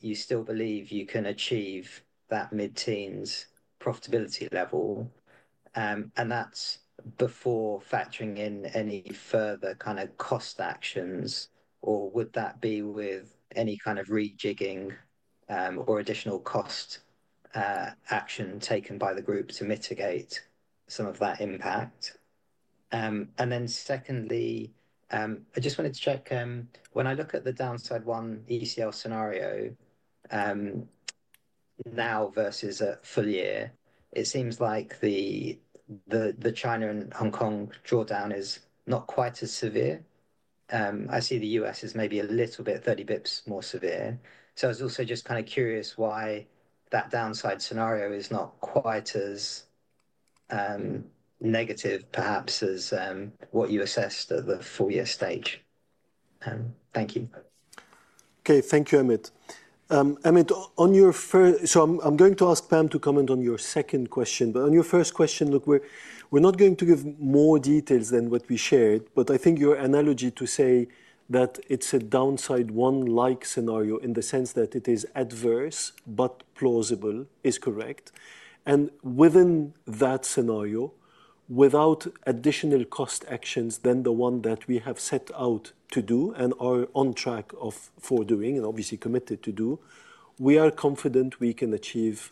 you still believe you can achieve that mid-teens profitability level, and that's before factoring in any further kind of cost actions, or would that be with any kind of rejigging or additional cost action taken by the group to mitigate some of that impact? Secondly, I just wanted to check when I look at the downside-one ECL scenario now versus a full year, it seems like the China and Hong Kong drawdown is not quite as severe. I see the US is maybe a little bit 30 basis points more severe. I was also just kind of curious why that downside scenario is not quite as negative perhaps as what you assessed at the full-year stage. Thank you. Okay, thank you, Amit. Amit, on your first, I am going to ask Pam to comment on your second question. On your first question, look, we are not going to give more details than what we shared, but I think your analogy to say that it is a downside-one-like scenario in the sense that it is adverse but plausible is correct. Within that scenario, without additional cost actions than the one that we have set out to do and are on track for doing and obviously committed to do, we are confident we can achieve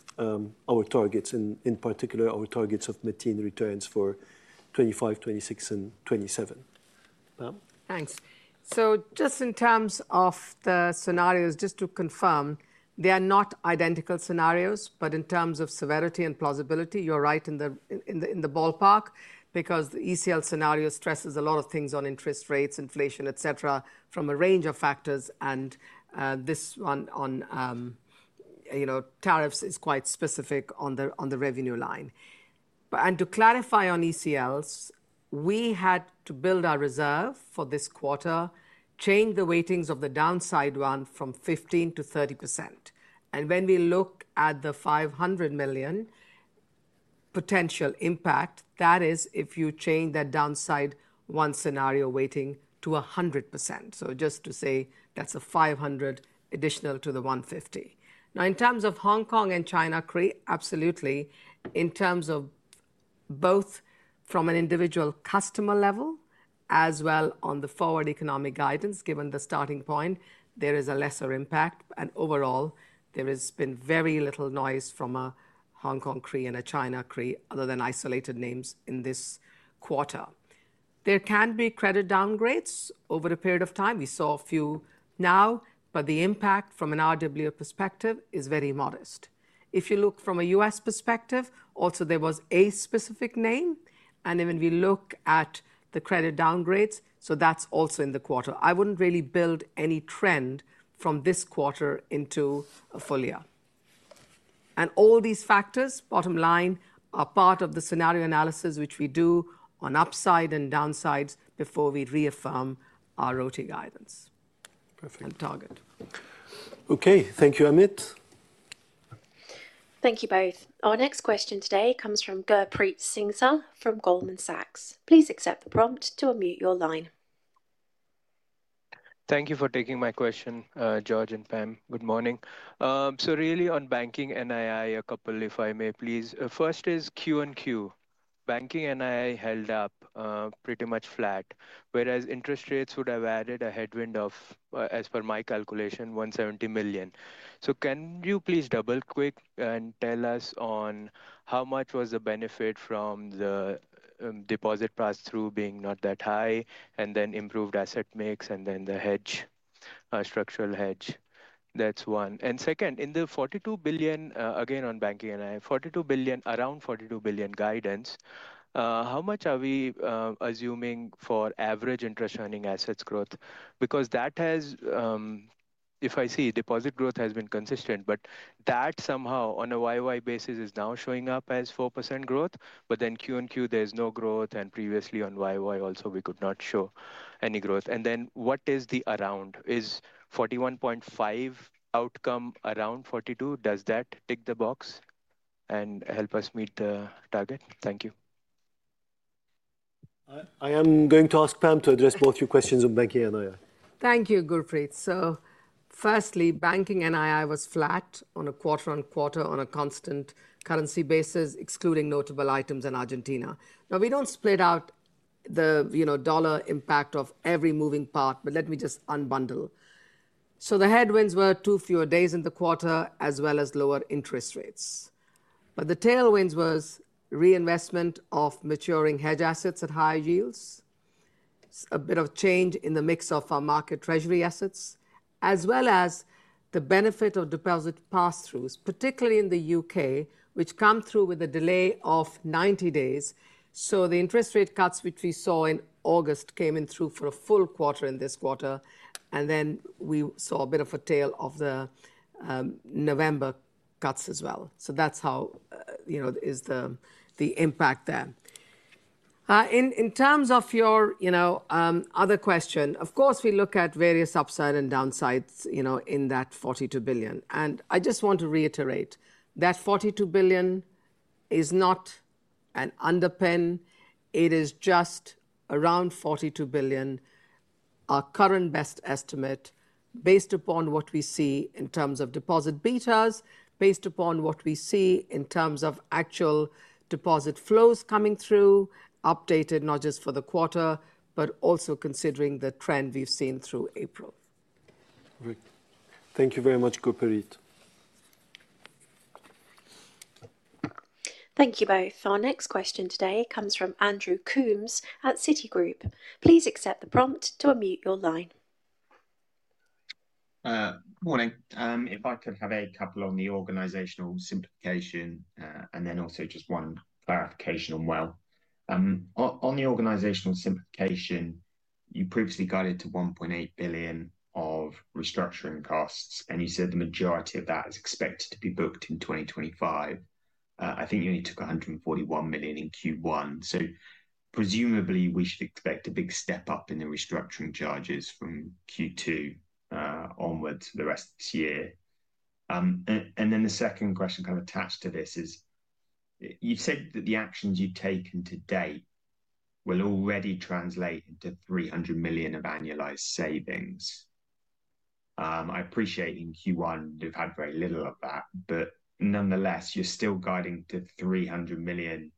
our targets, in particular our targets of mid-teens returns for 2025, 2026, and 2027. Pam? Thanks. Just in terms of the scenarios, just to confirm, they are not identical scenarios, but in terms of severity and plausibility, you're right in the ballpark because the ECL scenario stresses a lot of things on interest rates, inflation, et cetera, from a range of factors. This one on tariffs is quite specific on the revenue line. To clarify on ECLs, we had to build our reserve for this quarter, change the weightings of the downside-one from 15% to 30%. When we look at the $500 million potential impact, that is if you change that downside-one scenario weighting to 100%. Just to say that's $500 million additional to the $150 million. In terms of Hong Kong and China Cree, absolutely. In terms of both from an individual customer level as well on the forward economic guidance, given the starting point, there is a lesser impact. Overall, there has been very little noise from a Hong Kong Cree and a China Cree other than isolated names in this quarter. There can be credit downgrades over a period of time. We saw a few now, but the impact from an RWA perspective is very modest. If you look from a US perspective, also there was a specific name. When we look at the credit downgrades, so that's also in the quarter. I wouldn't really build any trend from this quarter into a full year. All these factors, bottom line, are part of the scenario analysis, which we do on upside and downside before we reaffirm our routing guidance and target. Perfect. Okay, thank you, Amit. Thank you both. Our next question today comes from Gurpreet Singhsar from Goldman Sachs. Please accept the prompt to unmute your line. Thank you for taking my question, George and Pam. Good morning. Really on banking and IRS, a couple, if I may, please. First is Q&Q. Banking and IRS held up pretty much flat, whereas interest rates would have added a headwind of, as per my calculation, $170 million. Can you please double-click and tell us on how much was the benefit from the deposit pass-through being not that high and then improved asset mix and then the hedge, structural hedge? That is one. Second, in the $42 billion, again on banking and IRS, $42 billion, around $42 billion guidance, how much are we assuming for average interest-earning assets growth? Because that has, if I see deposit growth has been consistent, but that somehow on a YY basis is now showing up as 4% growth, but then Q&Q, there is no growth. Previously on YY also, we could not show any growth. What is the around? Is $41.5 outcome around $42? Does that tick the box and help us meet the target? Thank you. I am going to ask Pam to address both your questions on banking and IRS. Thank you, Gurpreet. Firstly, banking and IRS was flat on a quarter-on-quarter on a constant currency basis, excluding notable items in Argentina. Now, we do not split out the dollar impact of every moving part, but let me just unbundle. The headwinds were two fewer days in the quarter as well as lower interest rates. The tailwinds were reinvestment of maturing hedge assets at higher yields, a bit of change in the mix of our market treasury assets, as well as the benefit of deposit pass-throughs, particularly in the U.K., which come through with a delay of 90 days. The interest rate cuts, which we saw in August, came in through for a full quarter in this quarter. We saw a bit of a tail of the November cuts as well. That is how the impact is there. In terms of your other question, of course, we look at various upside and downsides in that $42 billion. I just want to reiterate that $42 billion is not an underpin. It is just around $42 billion, our current best estimate based upon what we see in terms of deposit betas, based upon what we see in terms of actual deposit flows coming through, updated not just for the quarter, but also considering the trend we have seen through April. Great. Thank you very much, Gurpreet. Thank you both. Our next question today comes from Andrew Coombs at Citigroup. Please accept the prompt to unmute your line. Good morning. If I could have a couple on the organizational simplification and then also just one clarification on, well, on the organizational simplification, you previously guided to $1.8 billion of restructuring costs, and you said the majority of that is expected to be booked in 2025. I think you only took $141 million in Q1. Presumably, we should expect a big step up in the restructuring charges from Q2 onwards for the rest of this year. The second question kind of attached to this is you've said that the actions you've taken to date will already translate into $300 million of annualized savings. I appreciate in Q1, you've had very little of that, but nonetheless, you're still guiding to $300 million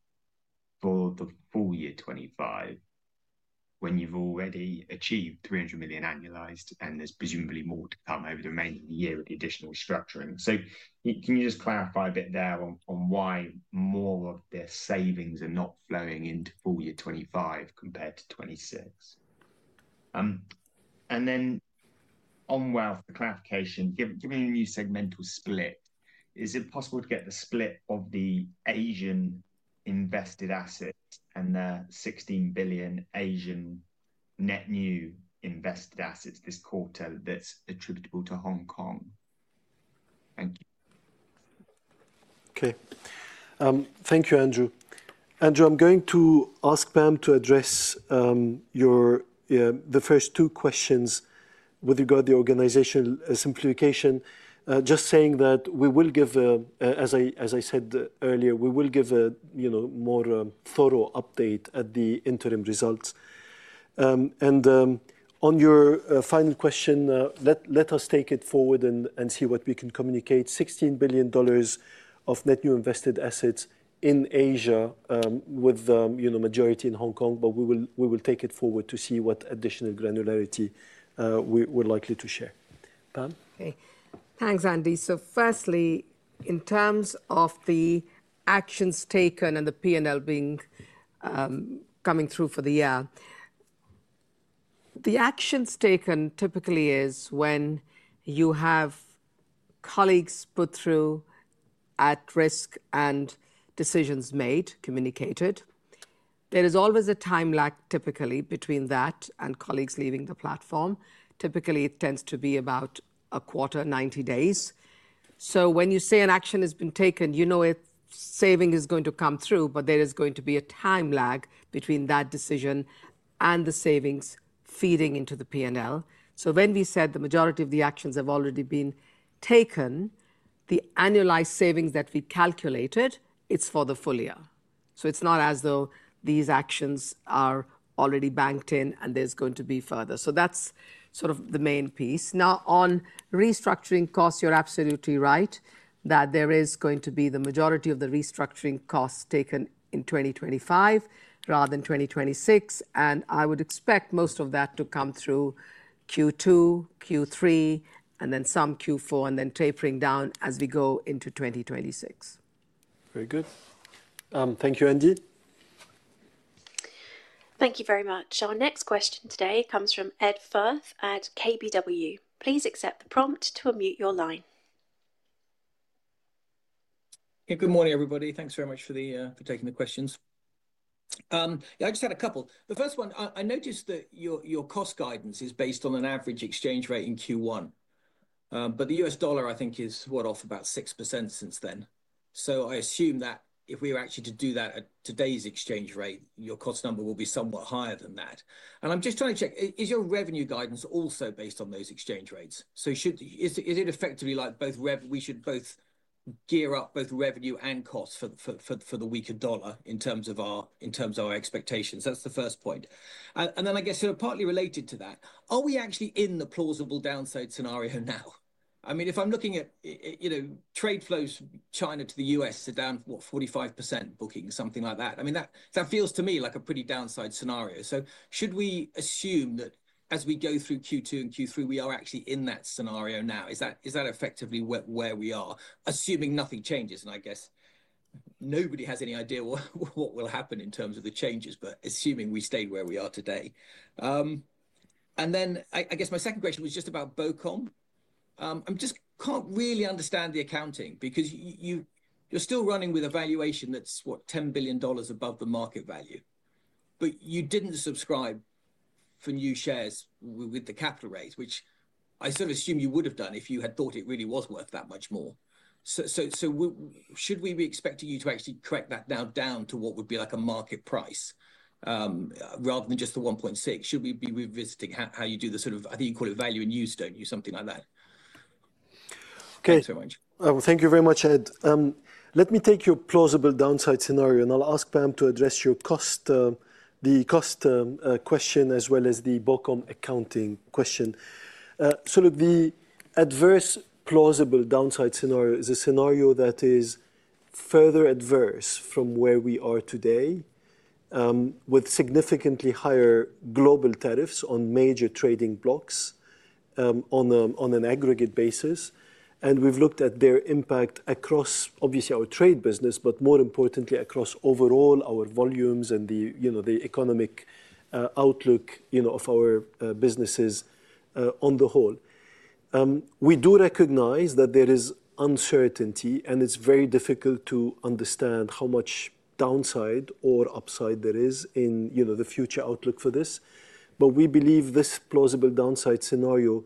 for the full year 2025 when you've already achieved $300 million annualized, and there's presumably more to come over the remaining year with the additional restructuring. Can you just clarify a bit there on why more of the savings are not flowing into full year 2025 compared to 2026? On wealth, the clarification, given the new segmental split, is it possible to get the split of the Asian invested assets and the $16 billion Asian net new invested assets this quarter that's attributable to Hong Kong? Thank you. Okay. Thank you, Andrew. Andrew, I'm going to ask Pam to address the first two questions with regard to the organizational simplification, just saying that we will give, as I said earlier, we will give a more thorough update at the interim results. On your final question, let us take it forward and see what we can communicate: $16 billion of net new invested assets in Asia with the majority in Hong Kong, but we will take it forward to see what additional granularity we're likely to share. Pam? Okay. Thanks, Andy. Firstly, in terms of the actions taken and the P&L coming through for the year, the actions taken typically is when you have colleagues put through at risk and decisions made, communicated. There is always a time lag typically between that and colleagues leaving the platform. Typically, it tends to be about a quarter, 90 days. When you say an action has been taken, you know a saving is going to come through, but there is going to be a time lag between that decision and the savings feeding into the P&L. When we said the majority of the actions have already been taken, the annualized savings that we calculated, it's for the full year. It is not as though these actions are already banked in and there's going to be further. That is sort of the main piece. Now, on restructuring costs, you're absolutely right that there is going to be the majority of the restructuring costs taken in 2025 rather than 2026. I would expect most of that to come through Q2, Q3, and then some Q4, and then tapering down as we go into 2026. Very good. Thank you, Andy. Thank you very much. Our next question today comes from Ed Firth at KBW. Please accept the prompt to unmute your line. Good morning, everybody. Thanks very much for taking the questions. Yeah, I just had a couple. The first one, I noticed that your cost guidance is based on an average exchange rate in Q1, but the US dollar, I think, is way off about 6% since then. I assume that if we were actually to do that at today's exchange rate, your cost number will be somewhat higher than that. I'm just trying to check, is your revenue guidance also based on those exchange rates? Is it effectively like we should both gear up both revenue and cost for the weaker dollar in terms of our expectations? That's the first point. I guess sort of partly related to that, are we actually in the plausible downside scenario now? I mean, if I'm looking at trade flows China to the US, they're down, what, 45% booking, something like that. I mean, that feels to me like a pretty downside scenario. Should we assume that as we go through Q2 and Q3, we are actually in that scenario now? Is that effectively where we are, assuming nothing changes? I guess nobody has any idea what will happen in terms of the changes, but assuming we stay where we are today. I guess my second question was just about BOCOM. I just can't really understand the accounting because you're still running with a valuation that's, what, $10 billion above the market value, but you didn't subscribe for new shares with the capital raise, which I sort of assume you would have done if you had thought it really was worth that much more. Should we be expecting you to actually correct that now down to what would be like a market price rather than just the 1.6? Should we be revisiting how you do the sort of, I think you call it value in use, do not you? Something like that. Okay. Thank you very much, Ed. Let me take your plausible downside scenario, and I'll ask Pam to address the cost question as well as the BoCom accounting question. The adverse plausible downside scenario is a scenario that is further adverse from where we are today with significantly higher global tariffs on major trading blocks on an aggregate basis. We have looked at their impact across, obviously, our trade business, but more importantly, across overall our volumes and the economic outlook of our businesses on the whole. We do recognize that there is uncertainty, and it's very difficult to understand how much downside or upside there is in the future outlook for this. We believe this plausible downside scenario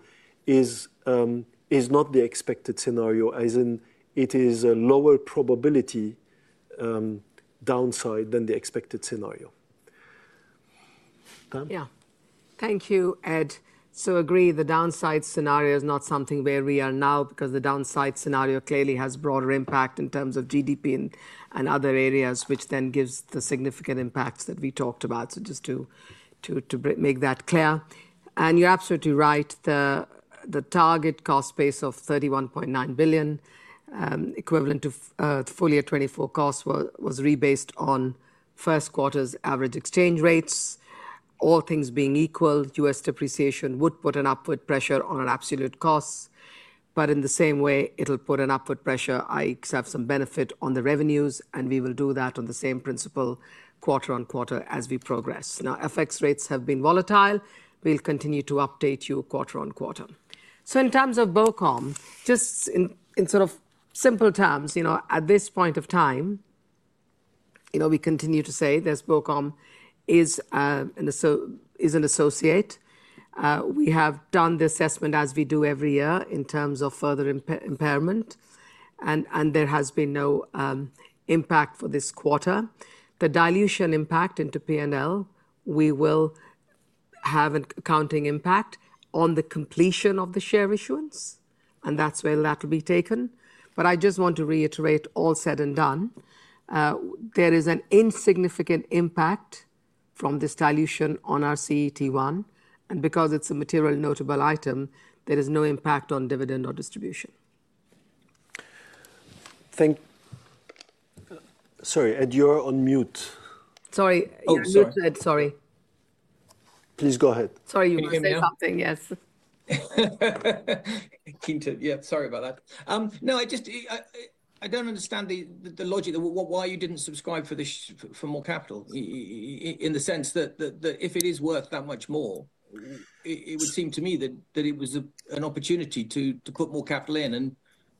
is not the expected scenario, as in it is a lower probability downside than the expected scenario. Pam? Yeah. Thank you, Ed. Agree, the downside scenario is not something where we are now because the downside scenario clearly has broader impact in terms of GDP and other areas, which then gives the significant impacts that we talked about. Just to make that clear. You're absolutely right. The target cost base of $31.9 billion, equivalent to full year 2024 costs, was rebased on first quarter's average exchange rates. All things being equal, US depreciation would put an upward pressure on our absolute costs, but in the same way, it'll put an upward pressure, i.e., have some benefit on the revenues, and we will do that on the same principle quarter on quarter as we progress. Now, FX rates have been volatile. We'll continue to update you quarter on quarter. In terms of BoCom, just in sort of simple terms, at this point of time, we continue to say BoCom is an associate. We have done the assessment as we do every year in terms of further impairment, and there has been no impact for this quarter. The dilution impact into P&L, we will have an accounting impact on the completion of the share issuance, and that's where that will be taken. I just want to reiterate all said and done. There is an insignificant impact from this dilution on our CET1, and because it's a material notable item, there is no impact on dividend or distribution. Thank you. Sorry, Ed, you're on mute. Sorry. You're on mute, Ed. Sorry. Please go ahead. Sorry, you were going to say something, yes. Keen to, yeah, sorry about that. No, I don't understand the logic why you didn't subscribe for more capital in the sense that if it is worth that much more, it would seem to me that it was an opportunity to put more capital in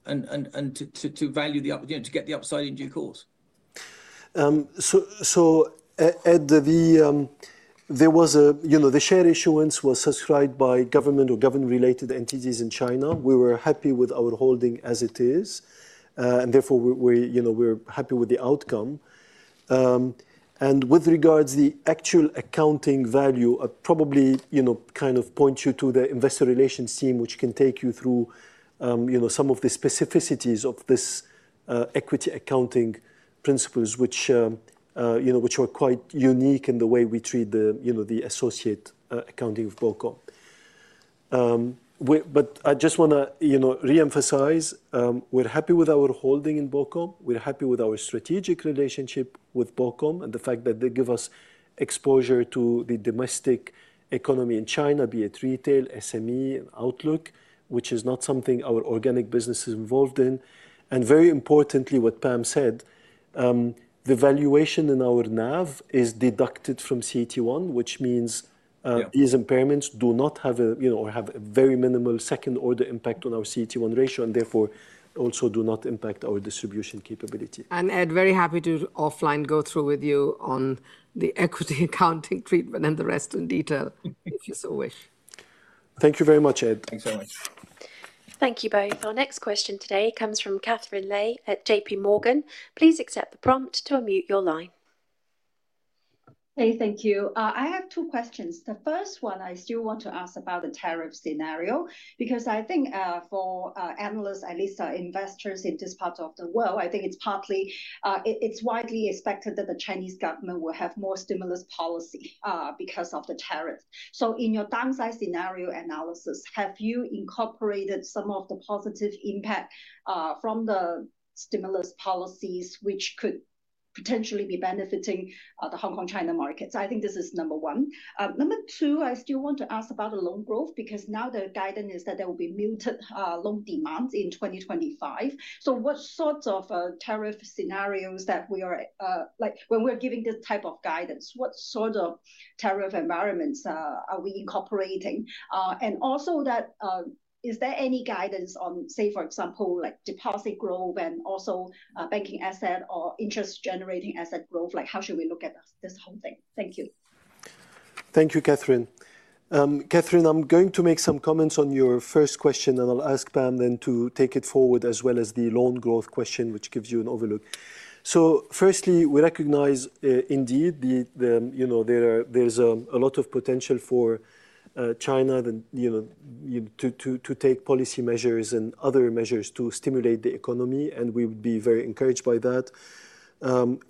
and to value the opportunity to get the upside in due course. Ed, there was a share issuance that was subscribed by government or government-related entities in China. We were happy with our holding as it is, and therefore, we're happy with the outcome. With regards to the actual accounting value, I'd probably kind of point you to the investor relations team, which can take you through some of the specificities of this equity accounting principles, which are quite unique in the way we treat the associate accounting of BoCom. I just want to reemphasize, we're happy with our holding in BoCom. We're happy with our strategic relationship with BoCom and the fact that they give us exposure to the domestic economy in China, be it retail, SME, Outlook, which is not something our organic business is involved in. Very importantly, what Pam said, the valuation in our NAV is deducted from CET1, which means these impairments do not have a very minimal second-order impact on our CET1 ratio and therefore also do not impact our distribution capability. Ed, very happy to offline go through with you on the equity accounting treatment and the rest in detail if you so wish. Thank you very much, Ed. Thanks so much. Thank you both. Our next question today comes from Katherine Lei at JP Morgan. Please accept the prompt to unmute your line. Hey, thank you. I have two questions. The first one, I still want to ask about the tariff scenario because I think for analysts, at least investors in this part of the world, I think it's widely expected that the Chinese government will have more stimulus policy because of the tariffs. In your downside scenario analysis, have you incorporated some of the positive impact from the stimulus policies which could potentially be benefiting the Hong Kong China markets? I think this is number one. Number two, I still want to ask about the loan growth because now the guidance is that there will be muted loan demand in 2025. What sorts of tariff scenarios are we like when we're giving this type of guidance, what sort of tariff environments are we incorporating? Is there any guidance on, say, for example, deposit growth and also banking asset or interest-generating asset growth? Like how should we look at this whole thing? Thank you. Thank you, Katherine. Katherine, I'm going to make some comments on your first question, and I'll ask Pam then to take it forward as well as the loan growth question, which gives you an overlook. Firstly, we recognize indeed there's a lot of potential for China to take policy measures and other measures to stimulate the economy, and we would be very encouraged by that.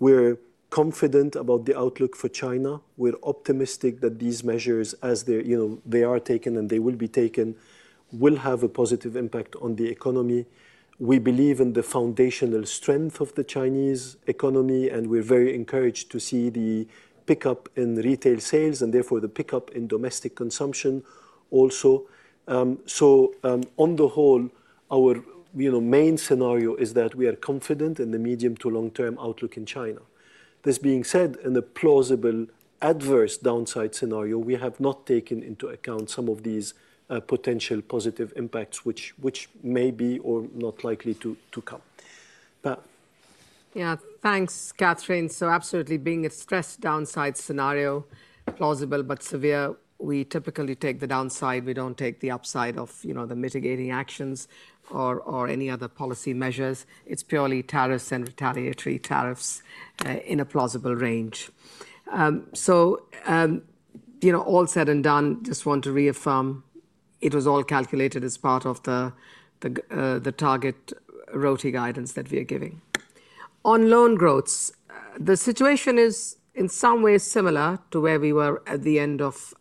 We're confident about the outlook for China. We're optimistic that these measures, as they are taken and they will be taken, will have a positive impact on the economy. We believe in the foundational strength of the Chinese economy, and we're very encouraged to see the pickup in retail sales and therefore the pickup in domestic consumption also. On the whole, our main scenario is that we are confident in the medium to long-term outlook in China. This being said, in a plausible adverse downside scenario, we have not taken into account some of these potential positive impacts which may be or not likely to come. Pam. Yeah, thanks, Katherine. Absolutely, being a stressed downside scenario, plausible but severe, we typically take the downside. We do not take the upside of the mitigating actions or any other policy measures. It is purely tariffs and retaliatory tariffs in a plausible range. All said and done, just want to reaffirm it was all calculated as part of the target routing guidance that we are giving. On loan growths, the situation is in some ways similar to where we were at the end of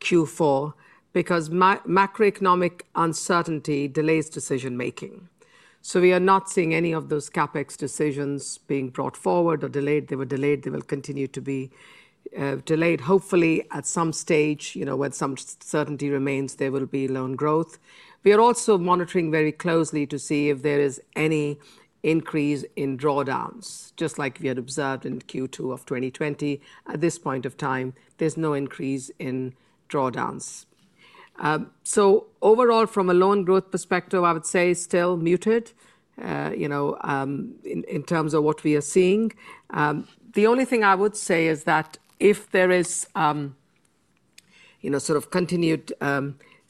Q4 because macroeconomic uncertainty delays decision-making. We are not seeing any of those CapEx decisions being brought forward or delayed. They were delayed. They will continue to be delayed. Hopefully, at some stage, when some certainty remains, there will be loan growth. We are also monitoring very closely to see if there is any increase in drawdowns, just like we had observed in Q2 of 2020. At this point of time, there's no increase in drawdowns. Overall, from a loan growth perspective, I would say still muted in terms of what we are seeing. The only thing I would say is that if there is sort of continued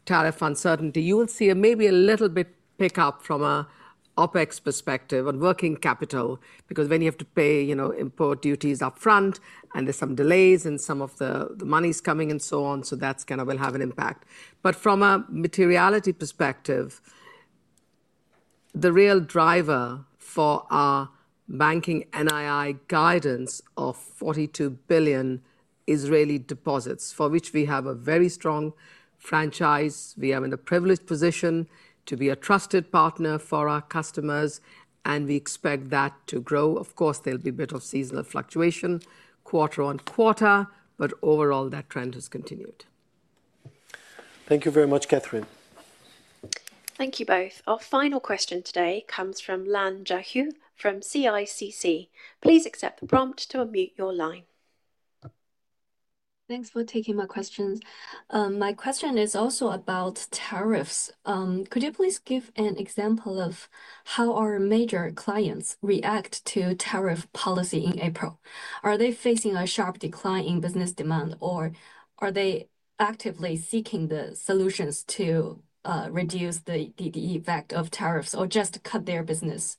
tariff uncertainty, you will see maybe a little bit pickup from an OpEx perspective on working capital because then you have to pay import duties upfront, and there's some delays in some of the money's coming and so on. That is going to have an impact. From a materiality perspective, the real driver for our banking NII guidance of $42 billion is retail deposits, for which we have a very strong franchise. We are in a privileged position to be a trusted partner for our customers, and we expect that to grow. Of course, there'll be a bit of seasonal fluctuation quarter on quarter, but overall, that trend has continued. Thank you very much, Katherine. Thank you both. Our final question today comes from Lan Jiaxu from CICC. Please accept the prompt to unmute your line. Thanks for taking my questions. My question is also about tariffs. Could you please give an example of how our major clients react to tariff policy in April? Are they facing a sharp decline in business demand, or are they actively seeking the solutions to reduce the DDE effect of tariffs or just cut their business?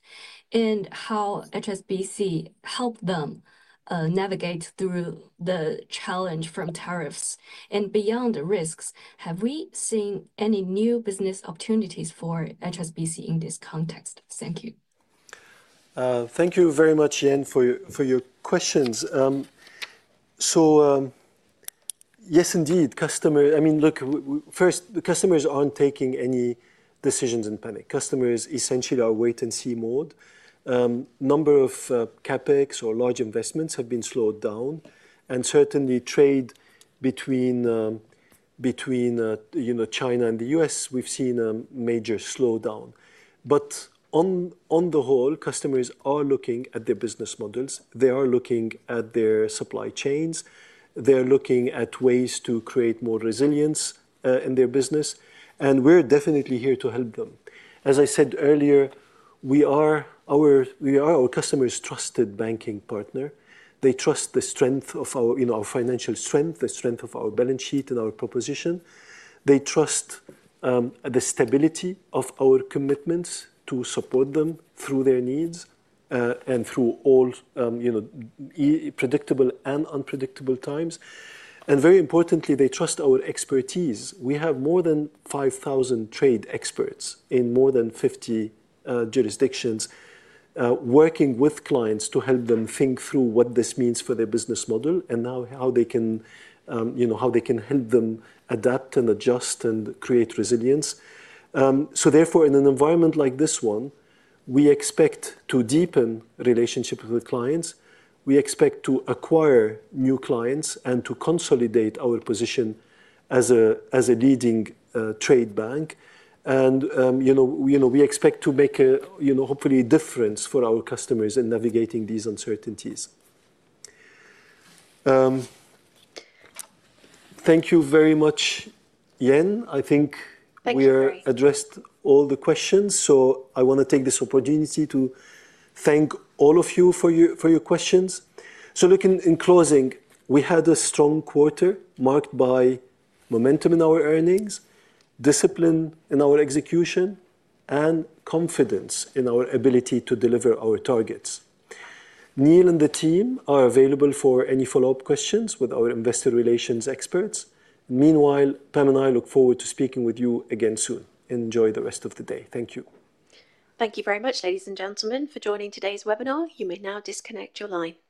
How has HSBC helped them navigate through the challenge from tariffs and beyond the risks? Have we seen any new business opportunities for HSBC in this context? Thank you. Thank you very much, Yen, for your questions. Yes, indeed, customers, I mean, look, first, the customers aren't taking any decisions in panic. Customers essentially are in wait-and-see mode. Number of CapEx or large investments have been slowed down. Certainly, trade between China and the US, we've seen a major slowdown. On the whole, customers are looking at their business models. They are looking at their supply chains. They're looking at ways to create more resilience in their business. We're definitely here to help them. As I said earlier, we are our customers' trusted banking partner. They trust the strength of our financial strength, the strength of our balance sheet and our proposition. They trust the stability of our commitments to support them through their needs and through all predictable and unpredictable times. Very importantly, they trust our expertise. We have more than 5,000 trade experts in more than 50 jurisdictions working with clients to help them think through what this means for their business model and now how they can help them adapt and adjust and create resilience. Therefore, in an environment like this one, we expect to deepen relationships with clients. We expect to acquire new clients and to consolidate our position as a leading trade bank. We expect to make hopefully a difference for our customers in navigating these uncertainties. Thank you very much, Yen. I think we addressed all the questions. I want to take this opportunity to thank all of you for your questions. In closing, we had a strong quarter marked by momentum in our earnings, discipline in our execution, and confidence in our ability to deliver our targets. Neil and the team are available for any follow-up questions with our investor relations experts. Meanwhile, Pam and I look forward to speaking with you again soon. Enjoy the rest of the day. Thank you. Thank you very much, ladies and gentlemen, for joining today's webinar. You may now disconnect your line.